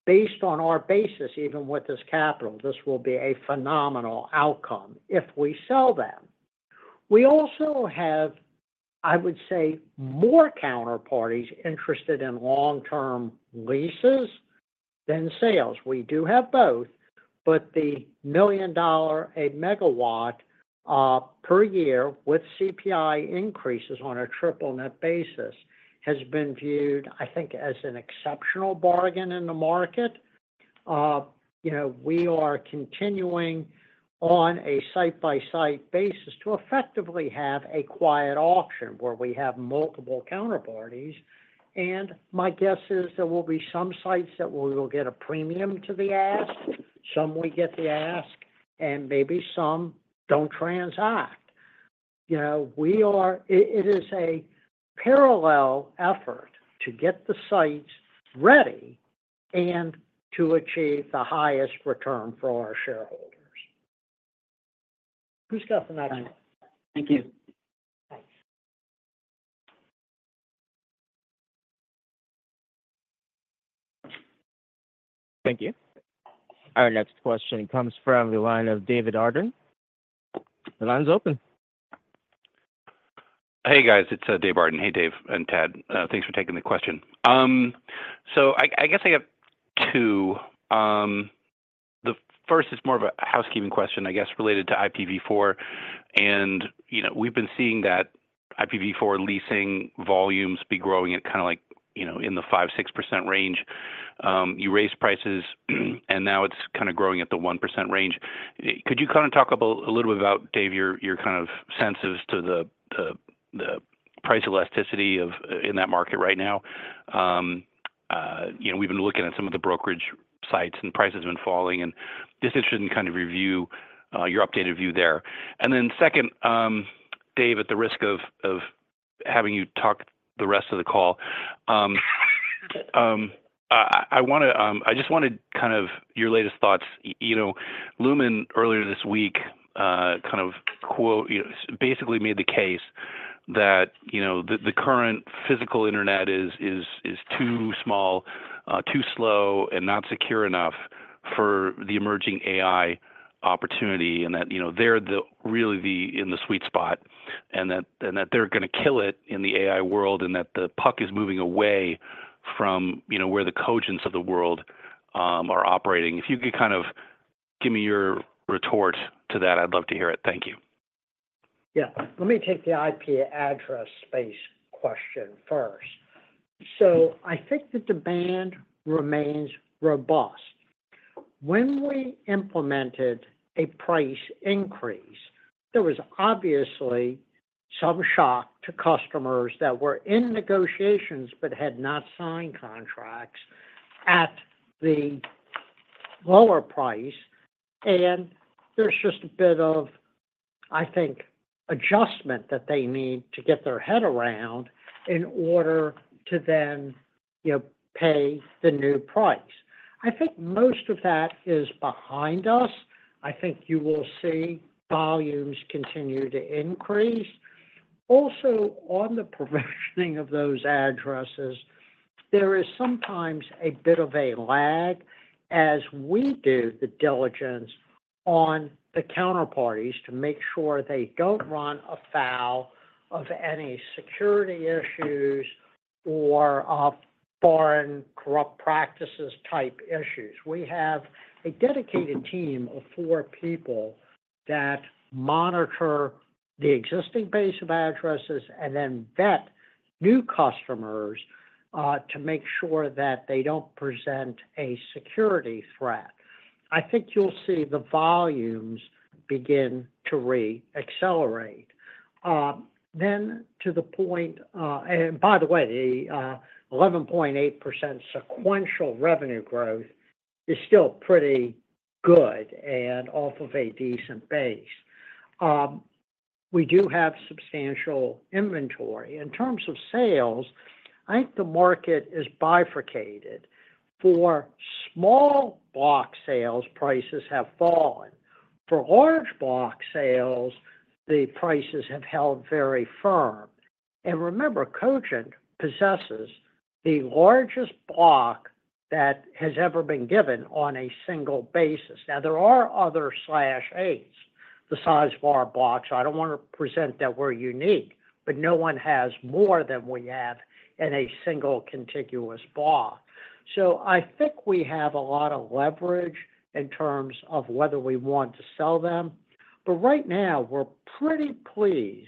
based on our basis, even with this capital, this will be a phenomenal outcome if we sell them. We also have, I would say, more counterparties interested in long-term leases than sales. We do have both, but the $1 million per megawatt per year with CPI increases on a triple net basis has been viewed, I think, as an exceptional bargain in the market. We are continuing on a site-by-site basis to effectively have a quiet auction where we have multiple counterparties. And my guess is there will be some sites that we will get a premium to the ask, some we get the ask, and maybe some don't transact. It is a parallel effort to get the sites ready and to achieve the highest return for our shareholders. Who's got the next one? Thank you. Thanks. Thank you. Our next question comes from the line of David Barden. The line's open. Hey, guys. It's David Barden.Hey, Dave and Tad. Thanks for taking the question. So I guess I have two. The first is more of a housekeeping question, I guess, related to IPv4. And we've been seeing that IPv4 leasing volumes be growing at kind of like in the 5-6% range. You raise prices, and now it's kind of growing at the 1% range. Could you kind of talk a little bit about, Dave, your kind of senses to the price elasticity in that market right now? We've been looking at some of the brokerage sites, and prices have been falling. And just interested in kind of review your updated view there. And then second, Dave, at the risk of having you talk the rest of the call, I just wanted kind of your latest thoughts. Lumen, earlier this week, kind of basically made the case that the current physical internet is too small, too slow, and not secure enough for the emerging AI opportunity, and that they're really in the sweet spot, and that they're going to kill it in the AI world, and that the puck is moving away from where the Cogents of the world are operating. If you could kind of give me your retort to that, I'd love to hear it. Thank you. Yeah. Let me take the IP address space question first. So I think the demand remains robust. When we implemented a price increase, there was obviously some shock to customers that were in negotiations but had not signed contracts at the lower price. And there's just a bit of, I think, adjustment that they need to get their head around in order to then pay the new price. I think most of that is behind us. I think you will see volumes continue to increase. Also, on the provisioning of those addresses, there is sometimes a bit of a lag as we do the diligence on the counterparties to make sure they don't run afoul of any security issues or foreign corrupt practices type issues. We have a dedicated team of four people that monitor the existing base of addresses and then vet new customers to make sure that they don't present a security threat. I think you'll see the volumes begin to reaccelerate. Then to the point, and by the way, the 11.8% sequential revenue growth is still pretty good and off of a decent base. We do have substantial inventory. In terms of sales, I think the market is bifurcated. For small block sales, prices have fallen. For large block sales, the prices have held very firm. Remember, Cogent possesses the largest block that has ever been given on a single basis. Now, there are other /8s, the size of our blocks. I don't want to present that we're unique, but no one has more than we have in a single contiguous block. I think we have a lot of leverage in terms of whether we want to sell them. Right now, we're pretty pleased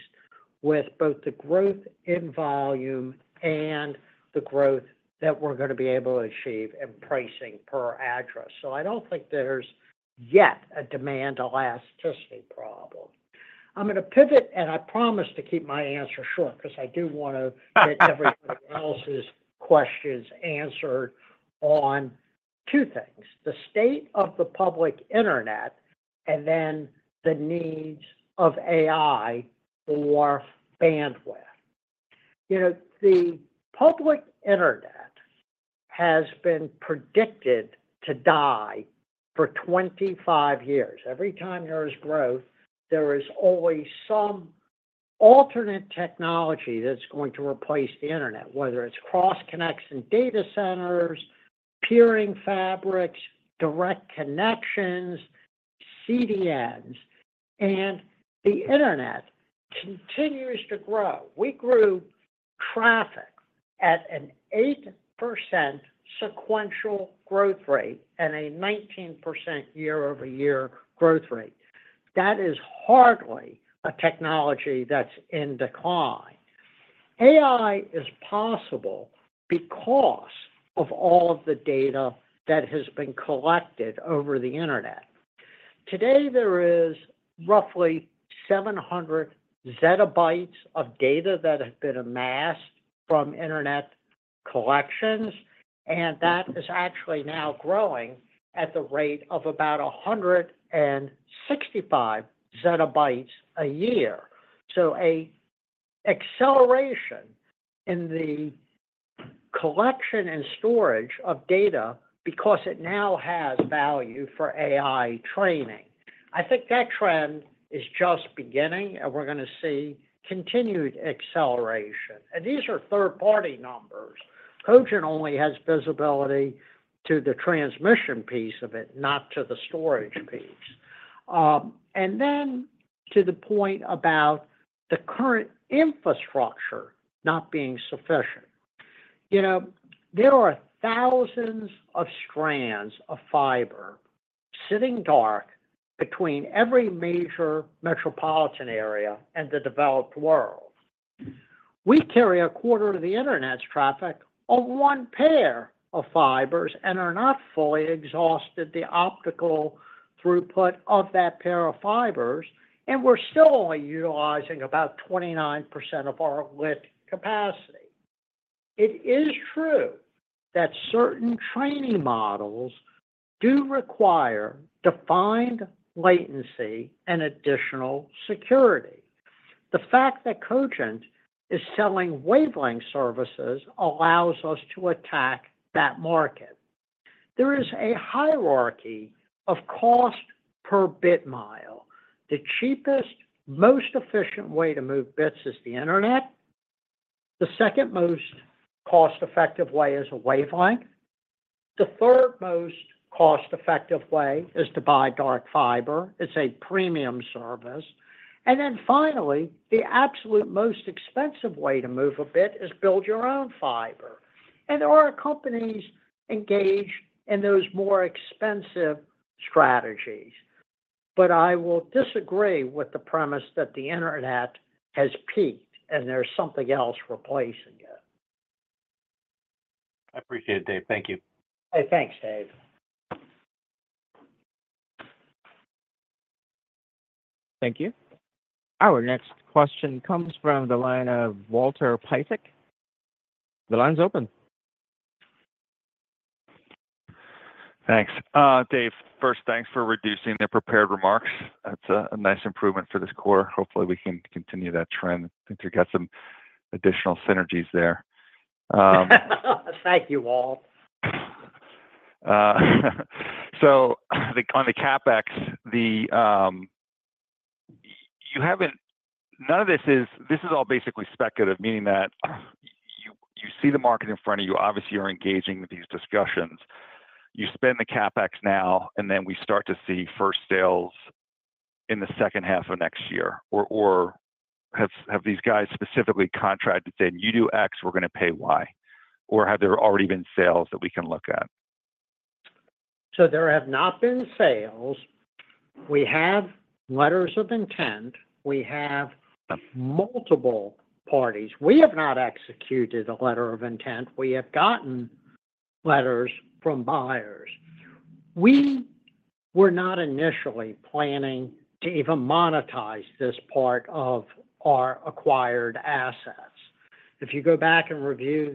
with both the growth in volume and the growth that we're going to be able to achieve in pricing per address. I don't think there's yet a demand elasticity problem. I'm going to pivot, and I promise to keep my answer short because I do want to get everybody else's questions answered on two things: the state of the public internet and then the needs of AI for bandwidth. The public internet has been predicted to die for 25 years. Every time there is growth, there is always some alternate technology that's going to replace the internet, whether it's cross-connection data centers, peering fabrics, direct connections, CDNs, and the internet continues to grow. We grew traffic at an 8% sequential growth rate and a 19% year-over-year growth rate. That is hardly a technology that's in decline. AI is possible because of all of the data that has been collected over the internet. Today, there is roughly 700 ZB of data that have been amassed from internet collections, and that is actually now growing at the rate of about 165 ZB a year. So an acceleration in the collection and storage of data because it now has value for AI training. I think that trend is just beginning, and we're going to see continued acceleration. And these are third-party numbers. Cogent only has visibility to the transmission piece of it, not to the storage piece. And then to the point about the current infrastructure not being sufficient. There are thousands of strands of fiber sitting dark between every major metropolitan area and the developed world. We carry a quarter of the internet's traffic on one pair of fibers and are not fully exhausted the optical throughput of that pair of fibers, and we're still only utilizing about 29% of our lit capacity. It is true that certain training models do require defined latency and additional security. The fact that Cogent is selling wavelength services allows us to attack that market. There is a hierarchy of cost per bit mile. The cheapest, most efficient way to move bits is the internet. The second most cost-effective way is a wavelength. The third most cost-effective way is to buy dark fiber. It's a premium service. And then finally, the absolute most expensive way to move a bit is build your own fiber. And there are companies engaged in those more expensive strategies. But I will disagree with the premise that the internet has peaked and there's something else replacing it. I appreciate it, Dave. Thank you. Hey, thanks, Dave. Thank you. Our next question comes from the line of Walter Piecyk. The line's open. Thanks. Dave, first, thanks for reducing the prepared remarks. That's a nice improvement for this quarter. Hopefully, we can continue that trend. I think we've got some additional synergies there. Thank you all. So on the CapEx, none of this is all basically speculative, meaning that you see the market in front of you. Obviously, you're engaging with these discussions. You spend the CapEx now, and then we start to see first sales in the second half of next year. Or have these guys specifically contracted that you do X, we're going to pay Y? Or have there already been sales that we can look at? So there have not been sales. We have letters of intent. We have multiple parties. We have not executed a letter of intent. We have gotten letters from buyers. We were not initially planning to even monetize this part of our acquired assets. If you go back and review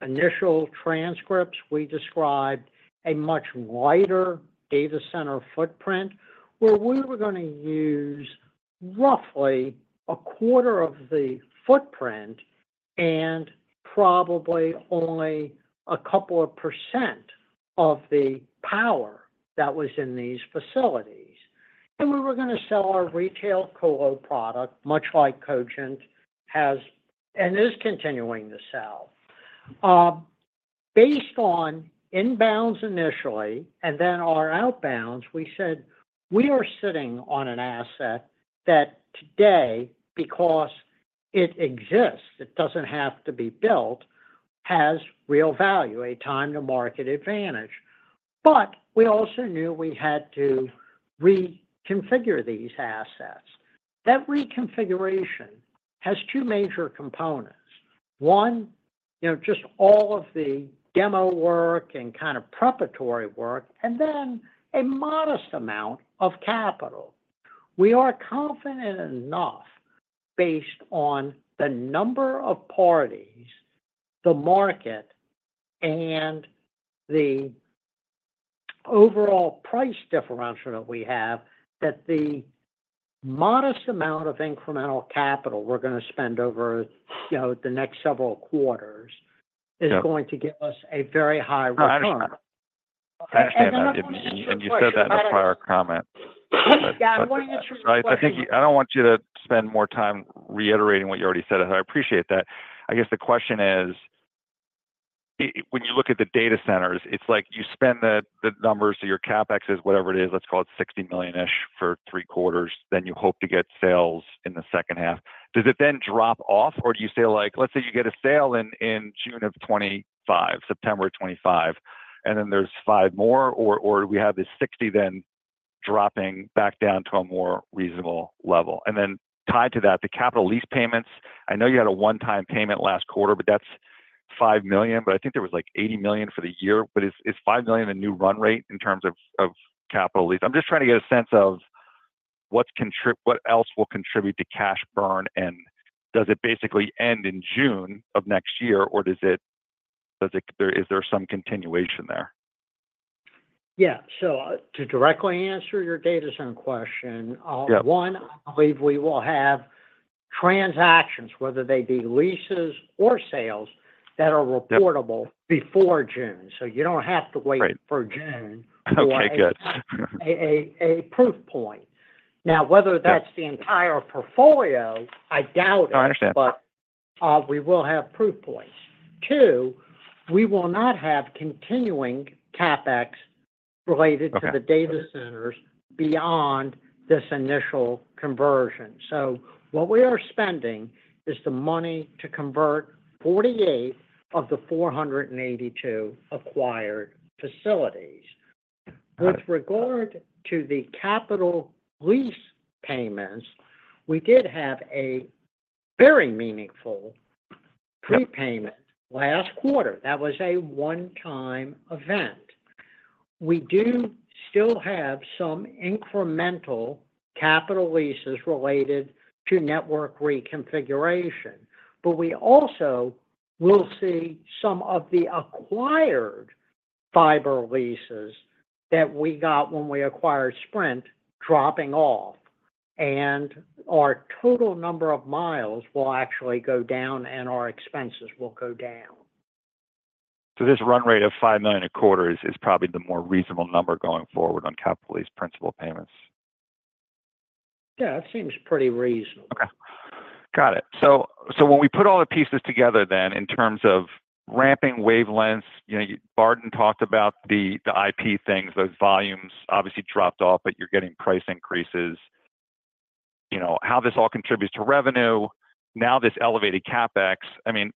the initial transcripts, we described a much wider data center footprint where we were going to use roughly a quarter of the footprint and probably only a couple of % of the power that was in these facilities. And we were going to sell our retail colo product, much like Cogent has and is continuing to sell. Based on inbounds initially and then our outbounds, we said we are sitting on an asset that today, because it exists, it doesn't have to be built, has real value, a time-to-market advantage. But we also knew we had to reconfigure these assets. That reconfiguration has two major components. One, just all of the demo work and kind of preparatory work, and then a modest amount of capital. We are confident enough based on the number of parties, the market, and the overall price differential that we have that the modest amount of incremental capital we're going to spend over the next several quarters is going to give us a very high return. And you said that in a prior comment. Yeah, I wanted to reiterate. I don't want you to spend more time reiterating what you already said. I appreciate that. I guess the question is, when you look at the data centers, it's like you spend the numbers, so your CapEx is whatever it is, let's call it $60 million-ish for three quarters, then you hope to get sales in the second half. Does it then drop off, or do you say, let's say you get a sale in June of 2025, September of 2025, and then there's five more, or do we have this 60 then dropping back down to a more reasonable level? And then tied to that, the capital lease payments, I know you had a one-time payment last quarter, but that's $5 million, but I think there was like $80 million for the year. But is $5 million a new run rate in terms of capital lease? I'm just trying to get a sense of what else will contribute to cash burn and does it basically end in June of next year, or is there some continuation there? Yeah. So to directly answer your data center question, one, I believe we will have transactions, whether they be leases or sales, that are reportable before June. So you don't have to wait for June to have a proof point. Now, whether that's the entire portfolio, I doubt it. I understand. But we will have proof points. Two, we will not have continuing CapEx related to the data centers beyond this initial conversion. So what we are spending is the money to convert 48 of the 482 acquired facilities. With regard to the capital lease payments, we did have a very meaningful prepayment last quarter. That was a one-time event. We do still have some incremental capital leases related to network reconfiguration. But we also will see some of the acquired fiber leases that we got when we acquired Sprint dropping off. And our total number of miles will actually go down, and our expenses will go down. So this run rate of $5 million a quarter is probably the more reasonable number going forward on capital lease principal payments? Yeah, that seems pretty reasonable. Okay. Got it. So when we put all the pieces together then in terms of ramping wavelengths, Barden talked about the IP things, those volumes obviously dropped off, but you're getting price increases. How this all contributes to revenue, now this elevated CapEx, I mean,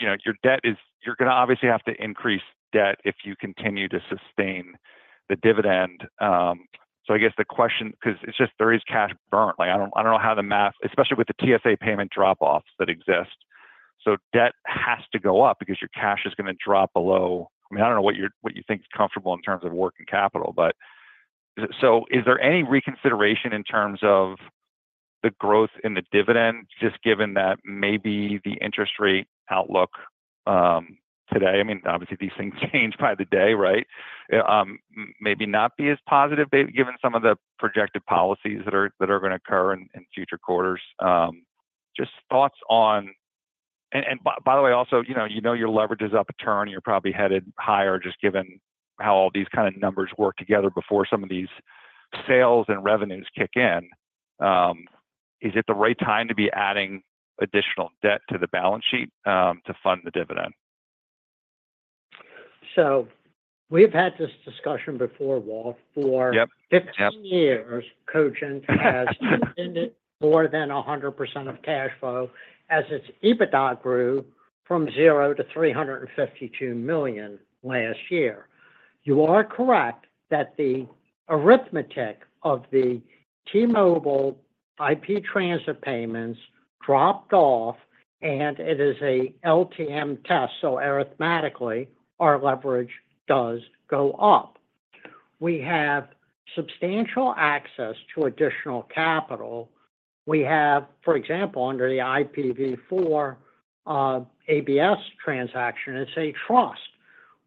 you're going to obviously have to increase debt if you continue to sustain the dividend. So I guess the question, because it's just there is cash burn. I don't know how the math, especially with the TSA payment drop-offs that exist. So debt has to go up because your cash is going to drop below. I mean, I don't know what you think is comfortable in terms of working capital. But so is there any reconsideration in terms of the growth in the dividend, just given that maybe the interest rate outlook today? I mean, obviously, these things change by the day, right? Maybe not be as positive given some of the projected policies that are going to occur in future quarters. Just thoughts on, and by the way, also, you know your leverage is up a turn. You're probably headed higher just given how all these kind of numbers work together before some of these sales and revenues kick in. Is it the right time to be adding additional debt to the balance sheet to fund the dividend? So we've had this discussion before, Walt. For 15 years, Cogent has depended more than 100% of cash flow as its EBITDA grew from $0-$352 million last year. You are correct that the arithmetic of the T-Mobile IP transit payments dropped off, and it is an LTM test. So arithmetically, our leverage does go up. We have substantial access to additional capital. We have, for example, under the IPv4 ABS transaction, it's a trust.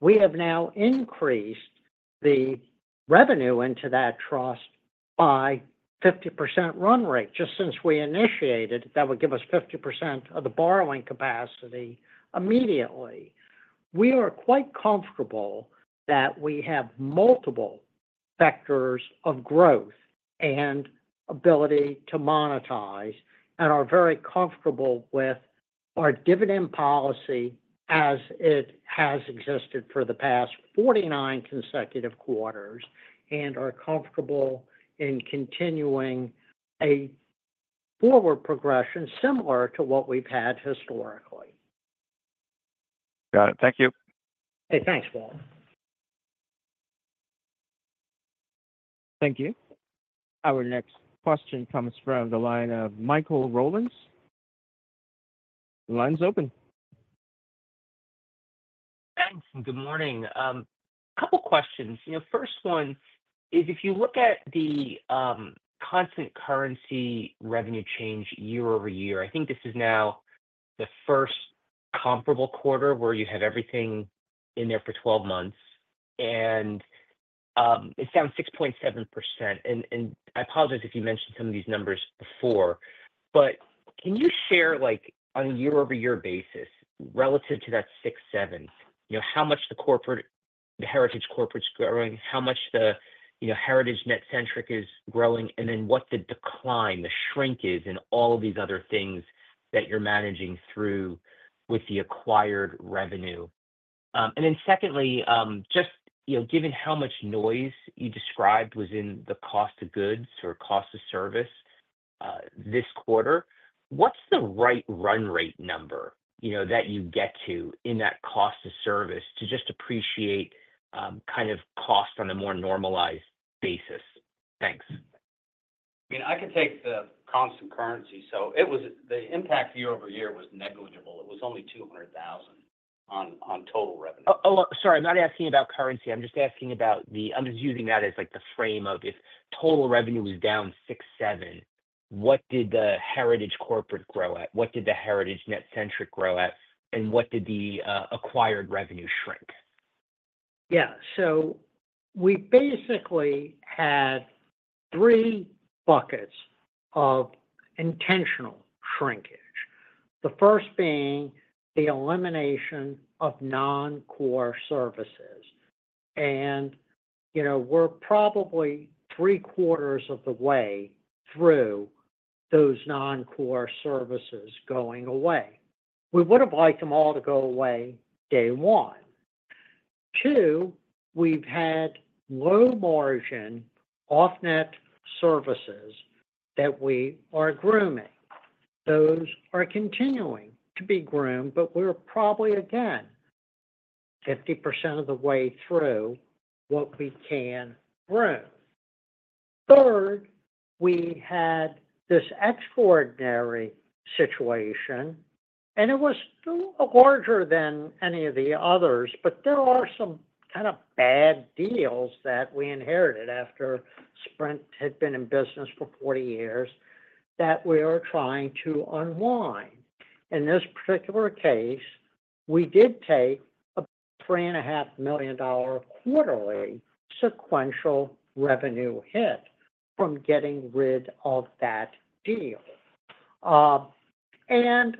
We have now increased the revenue into that trust by 50% run rate. Just since we initiated, that would give us 50% of the borrowing capacity immediately. We are quite comfortable that we have multiple vectors of growth and ability to monetize and are very comfortable with our dividend policy as it has existed for the past 49 consecutive quarters and are comfortable in continuing a forward progression similar to what we've had historically. Got it. Thank you. Hey, thanks, Walt. Thank you. Our next question comes from the line of Michael Rollins. The line's open. Thanks, and good morning. A couple of questions. First one is, if you look at the constant currency revenue change year over year, I think this is now the first comparable quarter where you have everything in there for 12 months, and it's down 6.7%. And I apologize if you mentioned some of these numbers before, but can you share on a year-over-year basis relative to that 6.7, how much the heritage corporate's growing, how much the heritage NetCentric is growing, and then what the decline, the shrink is, and all of these other things that you're managing through with the acquired revenue? And then secondly, just given how much noise you described was in the cost of goods or cost of service this quarter, what's the right run rate number that you get to in that cost of service to just appreciate kind of cost on a more normalized basis? Thanks. I mean, I can take the constant currency. So the impact year over year was negligible. It was only $200,000 on total revenue. Oh, sorry. I'm not asking about currency. I'm just asking about the. I'm just using that as the frame of if total revenue was down 6.7%, what did the heritage corporate grow at? What did the heritage NetCentric grow at? And what did the acquired revenue shrink? Yeah. So we basically had three buckets of intentional shrinkage, the first being the elimination of non-core services. And we're probably three quarters of the way through those non-core services going away. We would have liked them all to go away day one. Two, we've had low-margin off-net services that we are grooming. Those are continuing to be groomed, but we're probably, again, 50% of the way through what we can groom. Third, we had this extraordinary situation, and it was larger than any of the others, but there are some kind of bad deals that we inherited after Sprint had been in business for 40 years that we are trying to unwind. In this particular case, we did take a $3.5 million quarterly sequential revenue hit from getting rid of that deal. And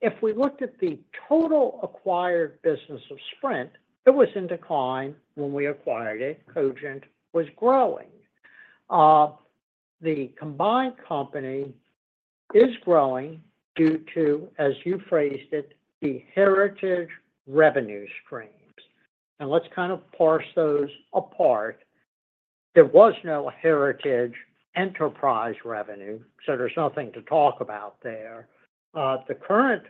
if we looked at the total acquired business of Sprint, it was in decline when we acquired it. Cogent was growing. The combined company is growing due to, as you phrased it, the heritage revenue streams. And let's kind of parse those apart. There was no heritage enterprise revenue, so there's nothing to talk about there. The current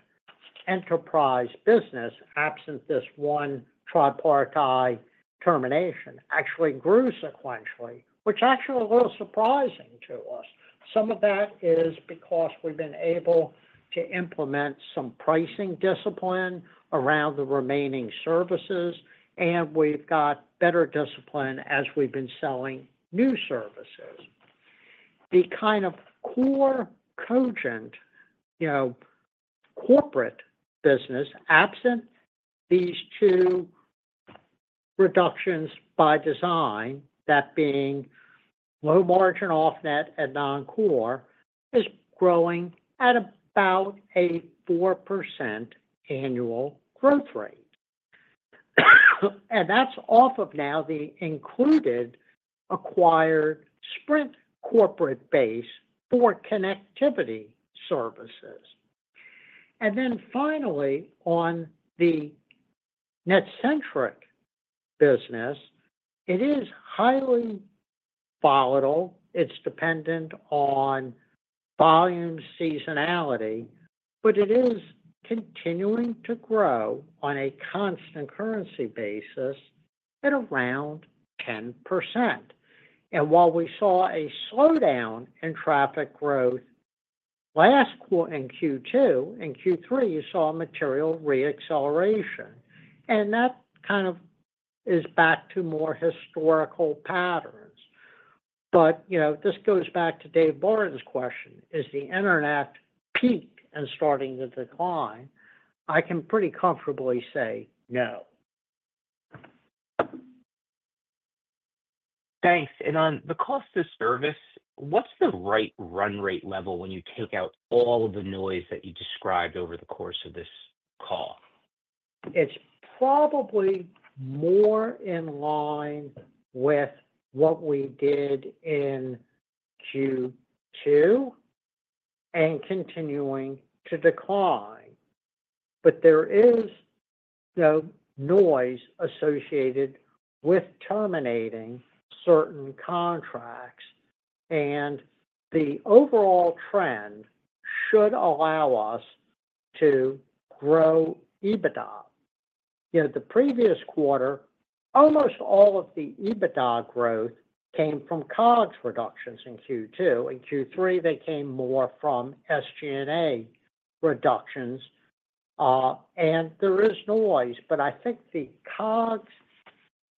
enterprise business, absent this one tripartite termination, actually grew sequentially, which is actually a little surprising to us. Some of that is because we've been able to implement some pricing discipline around the remaining services, and we've got better discipline as we've been selling new services. The kind of core Cogent corporate business, absent these two reductions by design, that being low-margin off-net and non-core, is growing at about a 4% annual growth rate, and that's off of now the included acquired Sprint corporate base for connectivity services. And then finally, on the NetCentric business, it is highly volatile. It's dependent on volume seasonality, but it is continuing to grow on a constant currency basis at around 10%. And while we saw a slowdown in traffic growth last in Q2, in Q3, you saw material re-acceleration, and that kind of is back to more historical patterns, but this goes back to Dave Barden's question. Is the internet peak and starting to decline? I can pretty comfortably say no. Thanks. And on the cost of service, what's the right run rate level when you take out all of the noise that you described over the course of this call? It's probably more in line with what we did in Q2 and continuing to decline. But there is no noise associated with terminating certain contracts. And the overall trend should allow us to grow EBITDA. The previous quarter, almost all of the EBITDA growth came from COGS reductions in Q2. In Q3, they came more from SG&A reductions. And there is noise, but I think the COGS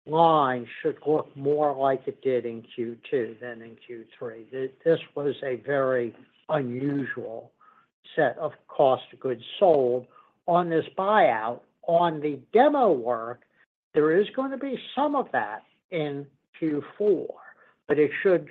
line should look more like it did in Q2 than in Q3. This was a very unusual set of cost of goods sold on this buyout. On the demo work, there is going to be some of that in Q4, but it should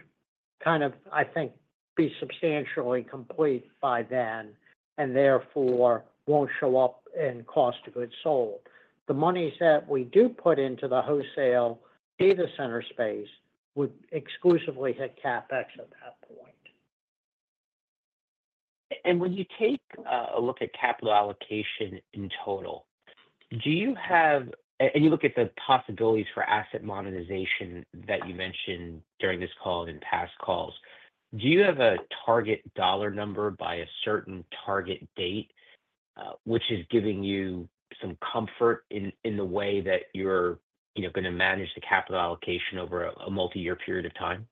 kind of, I think, be substantially complete by then and therefore won't show up in cost of goods sold. The monies that we do put into the wholesale data center space would exclusively hit CapEx at that point. And when you take a look at capital allocation in total, do you have - and you look at the possibilities for asset modernization that you mentioned during this call and in past calls - do you have a target dollar number by a certain target date, which is giving you some comfort in the way that you're going to manage the capital allocation over a multi-year period of time?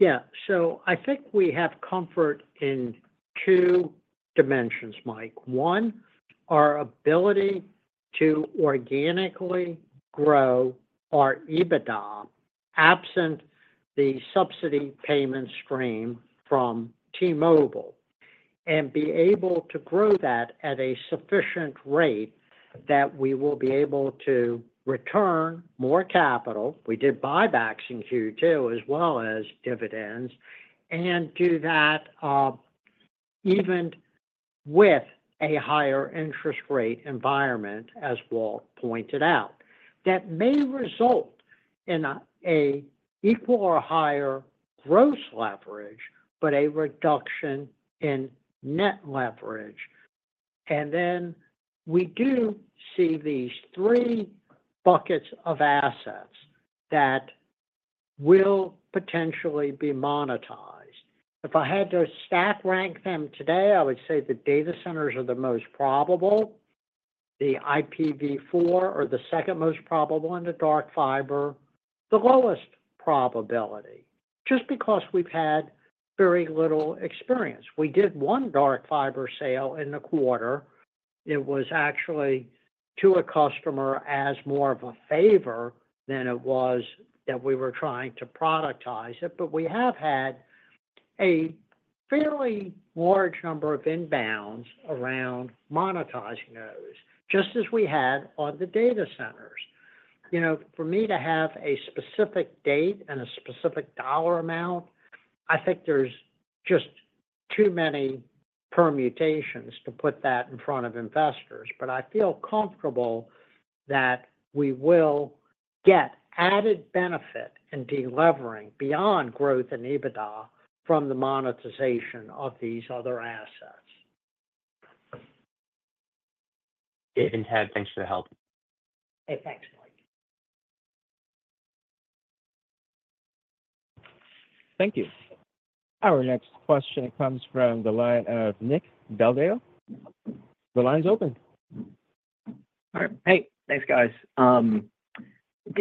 Yeah. So I think we have comfort in two dimensions, Mike. One, our ability to organically grow our EBITDA absent the subsidy payment stream from T-Mobile and be able to grow that at a sufficient rate that we will be able to return more capital. We did buybacks in Q2 as well as dividends and do that even with a higher interest rate environment, as Walt pointed out. That may result in an equal or higher gross leverage, but a reduction in net leverage. We do see these three buckets of assets that will potentially be monetized. If I had to stack rank them today, I would say the data centers are the most probable, the IPv4 are the second most probable, and the dark fiber the lowest probability, just because we've had very little experience. We did one dark fiber sale in the quarter. It was actually to a customer as more of a favor than it was that we were trying to productize it. But we have had a fairly large number of inbounds around monetizing those, just as we had on the data centers. For me to have a specific date and a specific dollar amount, I think there's just too many permutations to put that in front of investors. But I feel comfortable that we will get added benefit and delivering beyond growth in EBITDA from the monetization of these other assets. David, thanks for the help. Hey, thanks, Mike. Thank you. Our next question comes from the line of Nick Del Deo. The line's open. Hey. Thanks, guys.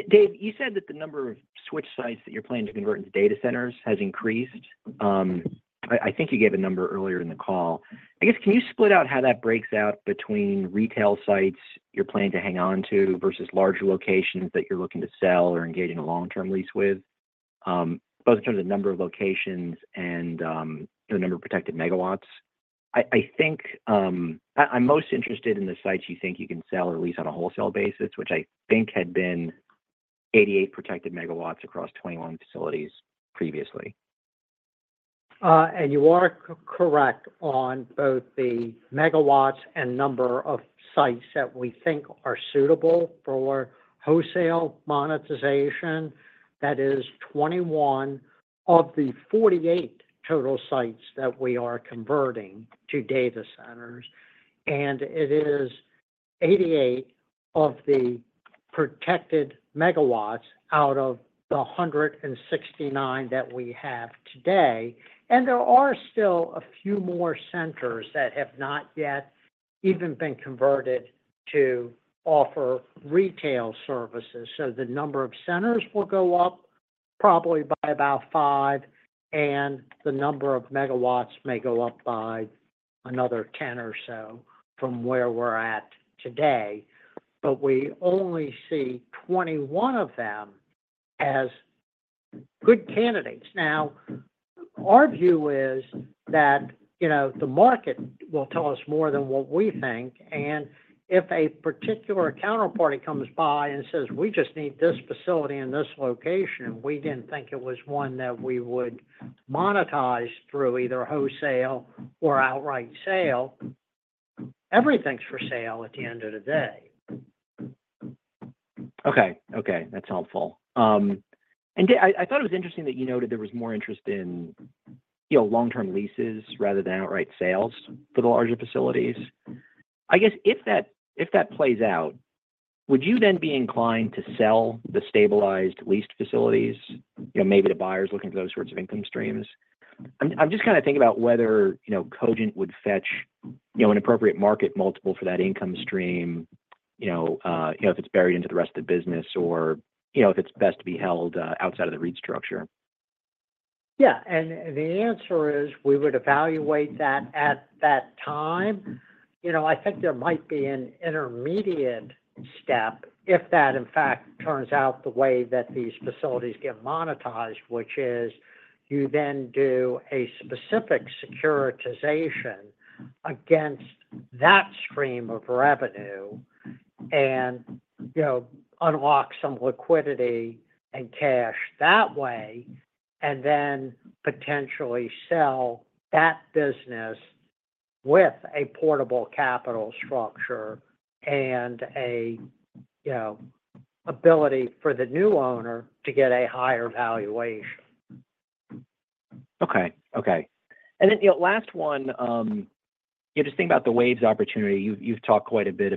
Dave, you said that the number of switch sites that you're planning to convert into data centers has increased. I think you gave a number earlier in the call. I guess, can you split out how that breaks out between retail sites you're planning to hang on to versus large locations that you're looking to sell or engage in a long-term lease with, both in terms of number of locations and the number of protected megawatts? I'm most interested in the sites you think you can sell or lease on a wholesale basis, which I think had been 88 protected megawatts across 21 facilities previously, and you are correct on both the megawatts and number of sites that we think are suitable for wholesale monetization. That is 21 of the 48 total sites that we are converting to data centers, and it is 88 of the protected megawatts out of the 169 that we have today, and there are still a few more centers that have not yet even been converted to offer retail services. So the number of centers will go up probably by about five, and the number of megawatts may go up by another 10 or so from where we're at today. But we only see 21 of them as good candidates. Now, our view is that the market will tell us more than what we think. And if a particular counterparty comes by and says, "We just need this facility in this location," and we didn't think it was one that we would monetize through either wholesale or outright sale, everything's for sale at the end of the day. Okay. Okay. That's helpful. And I thought it was interesting that you noted there was more interest in long-term leases rather than outright sales for the larger facilities. I guess, if that plays out, would you then be inclined to sell the stabilized leased facilities, maybe to buyers looking for those sorts of income streams? I'm just kind of thinking about whether Cogent would fetch an appropriate market multiple for that income stream if it's buried into the rest of the business or if it's best to be held outside of the REIT structure. Yeah. And the answer is we would evaluate that at that time. I think there might be an intermediate step if that, in fact, turns out the way that these facilities get monetized, which is you then do a specific securitization against that stream of revenue and unlock some liquidity and cash that way, and then potentially sell that business with a portable capital structure and an ability for the new owner to get a higher valuation. Okay. Okay. And then last one, just thinking about the waves opportunity, you've talked quite a bit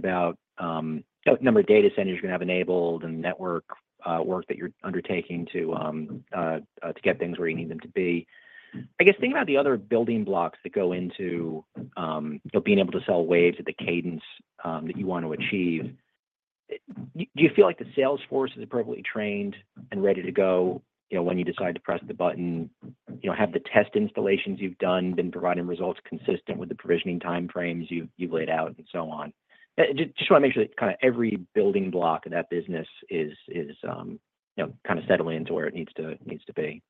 about the number of data centers you're going to have enabled and the network work that you're undertaking to get things where you need them to be. I guess, thinking about the other building blocks that go into being able to sell waves at the cadence that you want to achieve, do you feel like the sales force is appropriately trained and ready to go when you decide to press the button? Have the test installations you've done been providing results consistent with the provisioning timeframes you've laid out, and so on? Just want to make sure that kind of every building block of that business is kind of settling into where it needs to be.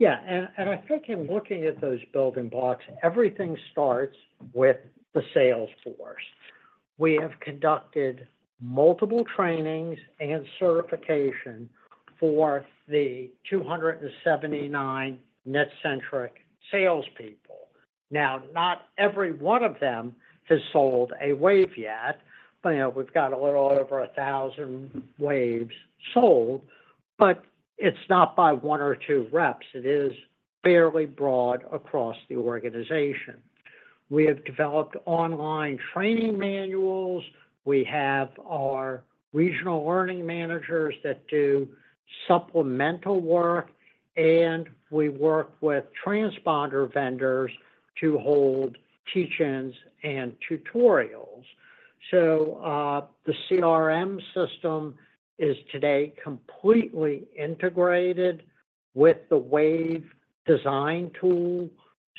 Yeah. And I think in looking at those building blocks, everything starts with the sales force. We have conducted multiple trainings and certification for the 279 NetCentric salespeople. Now, not every one of them has sold a wave yet, but we've got a little over 1,000 waves sold. But it's not by one or two reps. It is fairly broad across the organization. We have developed online training manuals. We have our regional learning managers that do supplemental work, and we work with transponder vendors to hold teach-ins and tutorials. So the CRM system is today completely integrated with the wave design tool.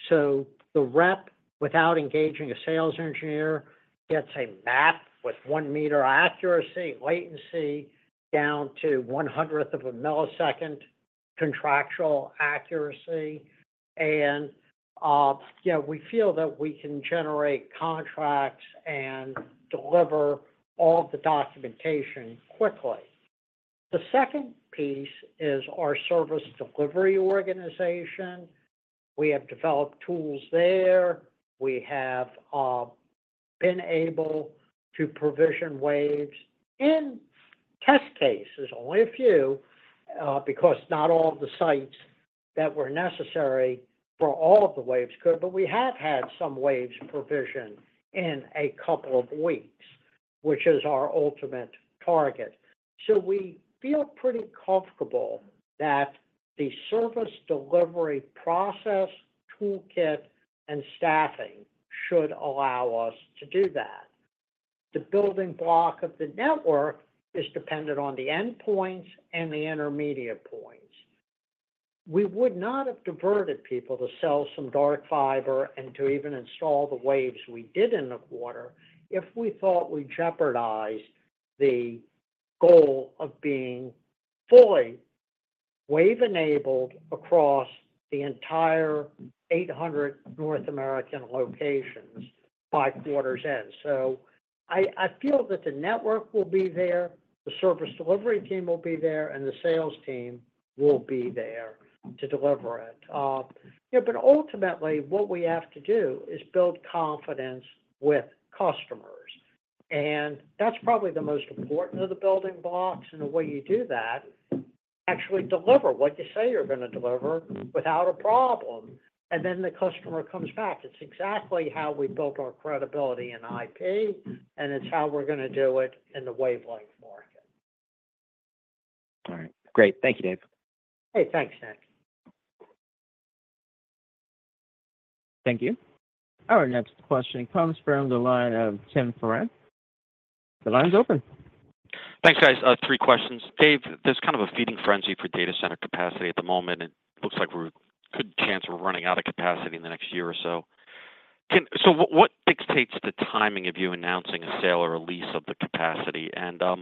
So the rep, without engaging a sales engineer, gets a map with one-meter accuracy, latency down to one hundredth of a millisecond, contractual accuracy. And we feel that we can generate contracts and deliver all of the documentation quickly. The second piece is our service delivery organization. We have developed tools there. We have been able to provision waves in test cases, only a few, because not all of the sites that were necessary for all of the waves could. But we have had some waves provisioned in a couple of weeks, which is our ultimate target. So we feel pretty comfortable that the service delivery process, toolkit, and staffing should allow us to do that. The building block of the network is dependent on the endpoints and the intermediate points. We would not have diverted people to sell some dark fiber and to even install the waves we did in the quarter if we thought we jeopardized the goal of being fully wave-enabled across the entire 800 North American locations by quarter's end. So I feel that the network will be there, the service delivery team will be there, and the sales team will be there to deliver it. But ultimately, what we have to do is build confidence with customers. And that's probably the most important of the building blocks in the way you do that, actually deliver what you say you're going to deliver without a problem. And then the customer comes back. It's exactly how we built our credibility in IP, and it's how we're going to do it in the wavelength market. All right. Great. Thank you, Dave. Hey, thanks, Nick. Thank you. Our next question comes from the line of Tim Horan. The line's open. Thanks, guys. Three questions. Dave, there's kind of a feeding frenzy for data center capacity at the moment. And it looks like we're a good chance we're running out of capacity in the next year or so. So what dictates the timing of you announcing a sale or a lease of the capacity? And do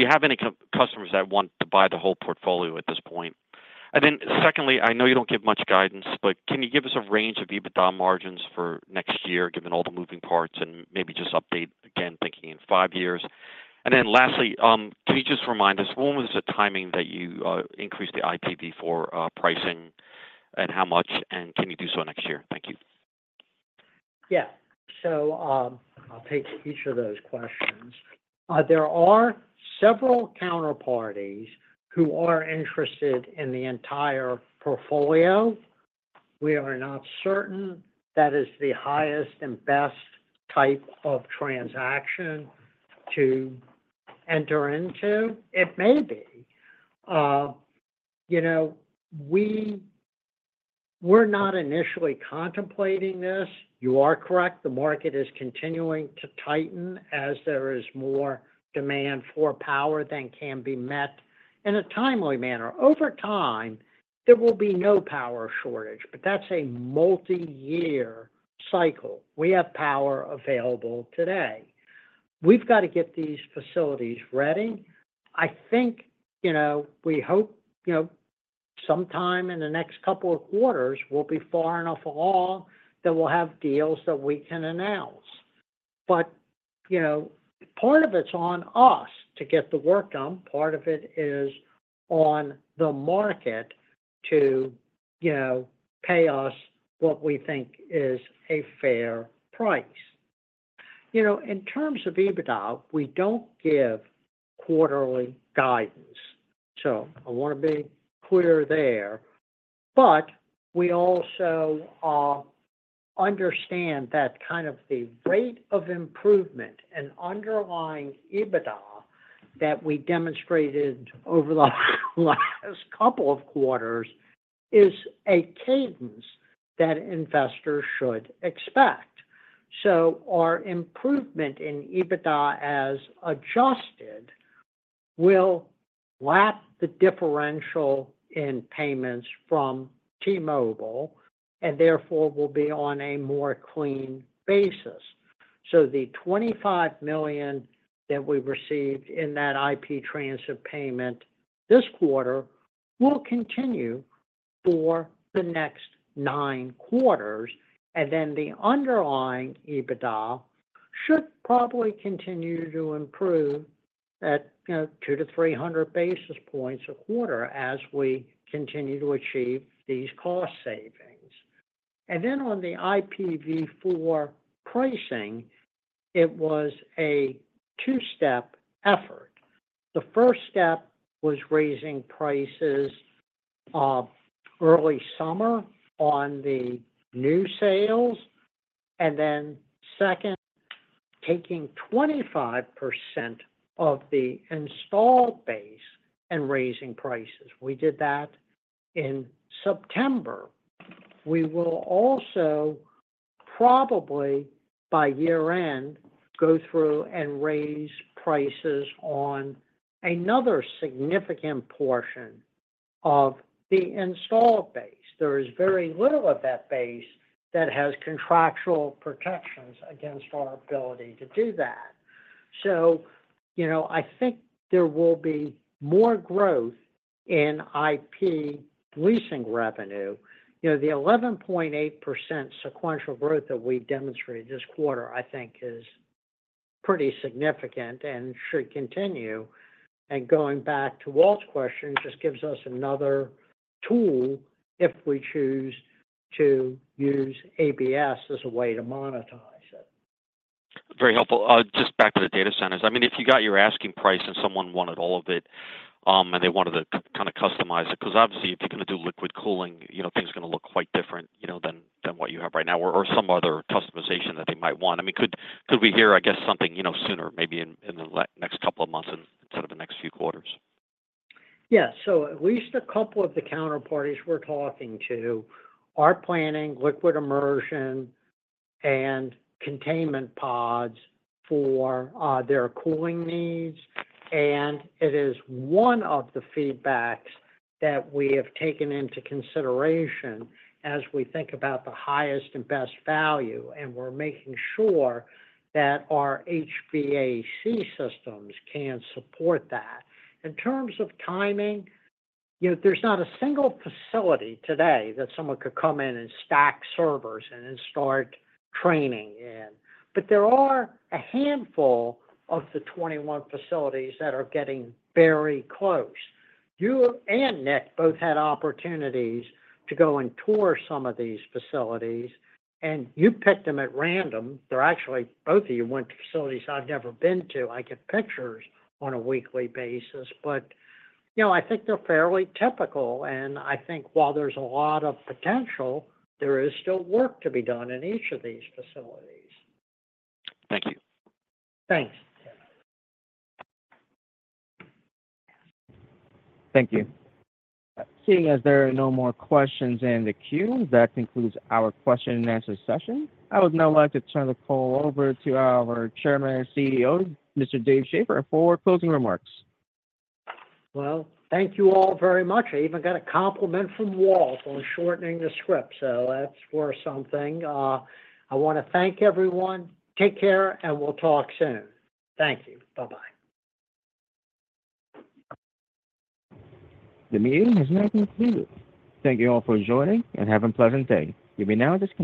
you have any customers that want to buy the whole portfolio at this point? And then secondly, I know you don't give much guidance, but can you give us a range of EBITDA margins for next year, given all the moving parts, and maybe just update again, thinking in five years? And then lastly, can you just remind us, when was the timing that you increased the IPv4 pricing and how much, and can you do so next year? Thank you. Yeah. So I'll take each of those questions. There are several counterparties who are interested in the entire portfolio. We are not certain that is the highest and best type of transaction to enter into. It may be. We're not initially contemplating this. You are correct. The market is continuing to tighten as there is more demand for power than can be met in a timely manner. Over time, there will be no power shortage, but that's a multi-year cycle. We have power available today. We've got to get these facilities ready. I think we hope sometime in the next couple of quarters, we'll be far enough along that we'll have deals that we can announce. But part of it's on us to get the work done. Part of it is on the market to pay us what we think is a fair price. In terms of EBITDA, we don't give quarterly guidance. So I want to be clear there. But we also understand that kind of the rate of improvement and underlying EBITDA that we demonstrated over the last couple of quarters is a cadence that investors should expect. So our improvement in EBITDA as adjusted will lap the differential in payments from T-Mobile and therefore will be on a more clean basis. So the $25 million that we received in that IP transit payment this quarter will continue for the next nine quarters. And then the underlying EBITDA should probably continue to improve at 2-300 basis points a quarter as we continue to achieve these cost savings. And then on the IPv4 pricing, it was a two-step effort. The first step was raising prices early summer on the new sales, and then second, taking 25% of the installed base and raising prices. We did that in September. We will also, probably by year-end, go through and raise prices on another significant portion of the installed base. There is very little of that base that has contractual protections against our ability to do that. So I think there will be more growth in IP leasing revenue. The 11.8% sequential growth that we demonstrated this quarter, I think, is pretty significant and should continue. And going back to Walt's question, it just gives us another tool if we choose to use ABS as a way to monetize it. Very helpful. Just back to the data centers. I mean, if you got your asking price and someone wanted all of it and they wanted to kind of customize it, because obviously, if you're going to do liquid cooling, things are going to look quite different than what you have right now or some other customization that they might want. I mean, could we hear, I guess, something sooner, maybe in the next couple of months instead of the next few quarters? Yeah. So at least a couple of the counterparties we're talking to are planning liquid immersion and containment pods for their cooling needs. It is one of the feedbacks that we have taken into consideration as we think about the highest and best value. We're making sure that our HVAC systems can support that. In terms of timing, there's not a single facility today that someone could come in and stack servers and then start training in. There are a handful of the 21 facilities that are getting very close. You and Nick both had opportunities to go and tour some of these facilities, and you picked them at random. Both of you went to facilities I've never been to. I get pictures on a weekly basis. I think they're fairly typical. I think while there's a lot of potential, there is still work to be done in each of these facilities. Thank you. Thanks. Thank you. Seeing as there are no more questions in the queue, that concludes our question-and-answer session. I would now like to turn the call over to our Chairman and CEO, Mr. Dave Schaeffer, for closing remarks. Well, thank you all very much. I even got a compliment from Walt on shortening the script. So that's worth something. I want to thank everyone. Take care, and we'll talk soon. Thank you. Bye-bye. The meeting has now concluded. Thank you all for joining and have a pleasant day. You may now disconnect.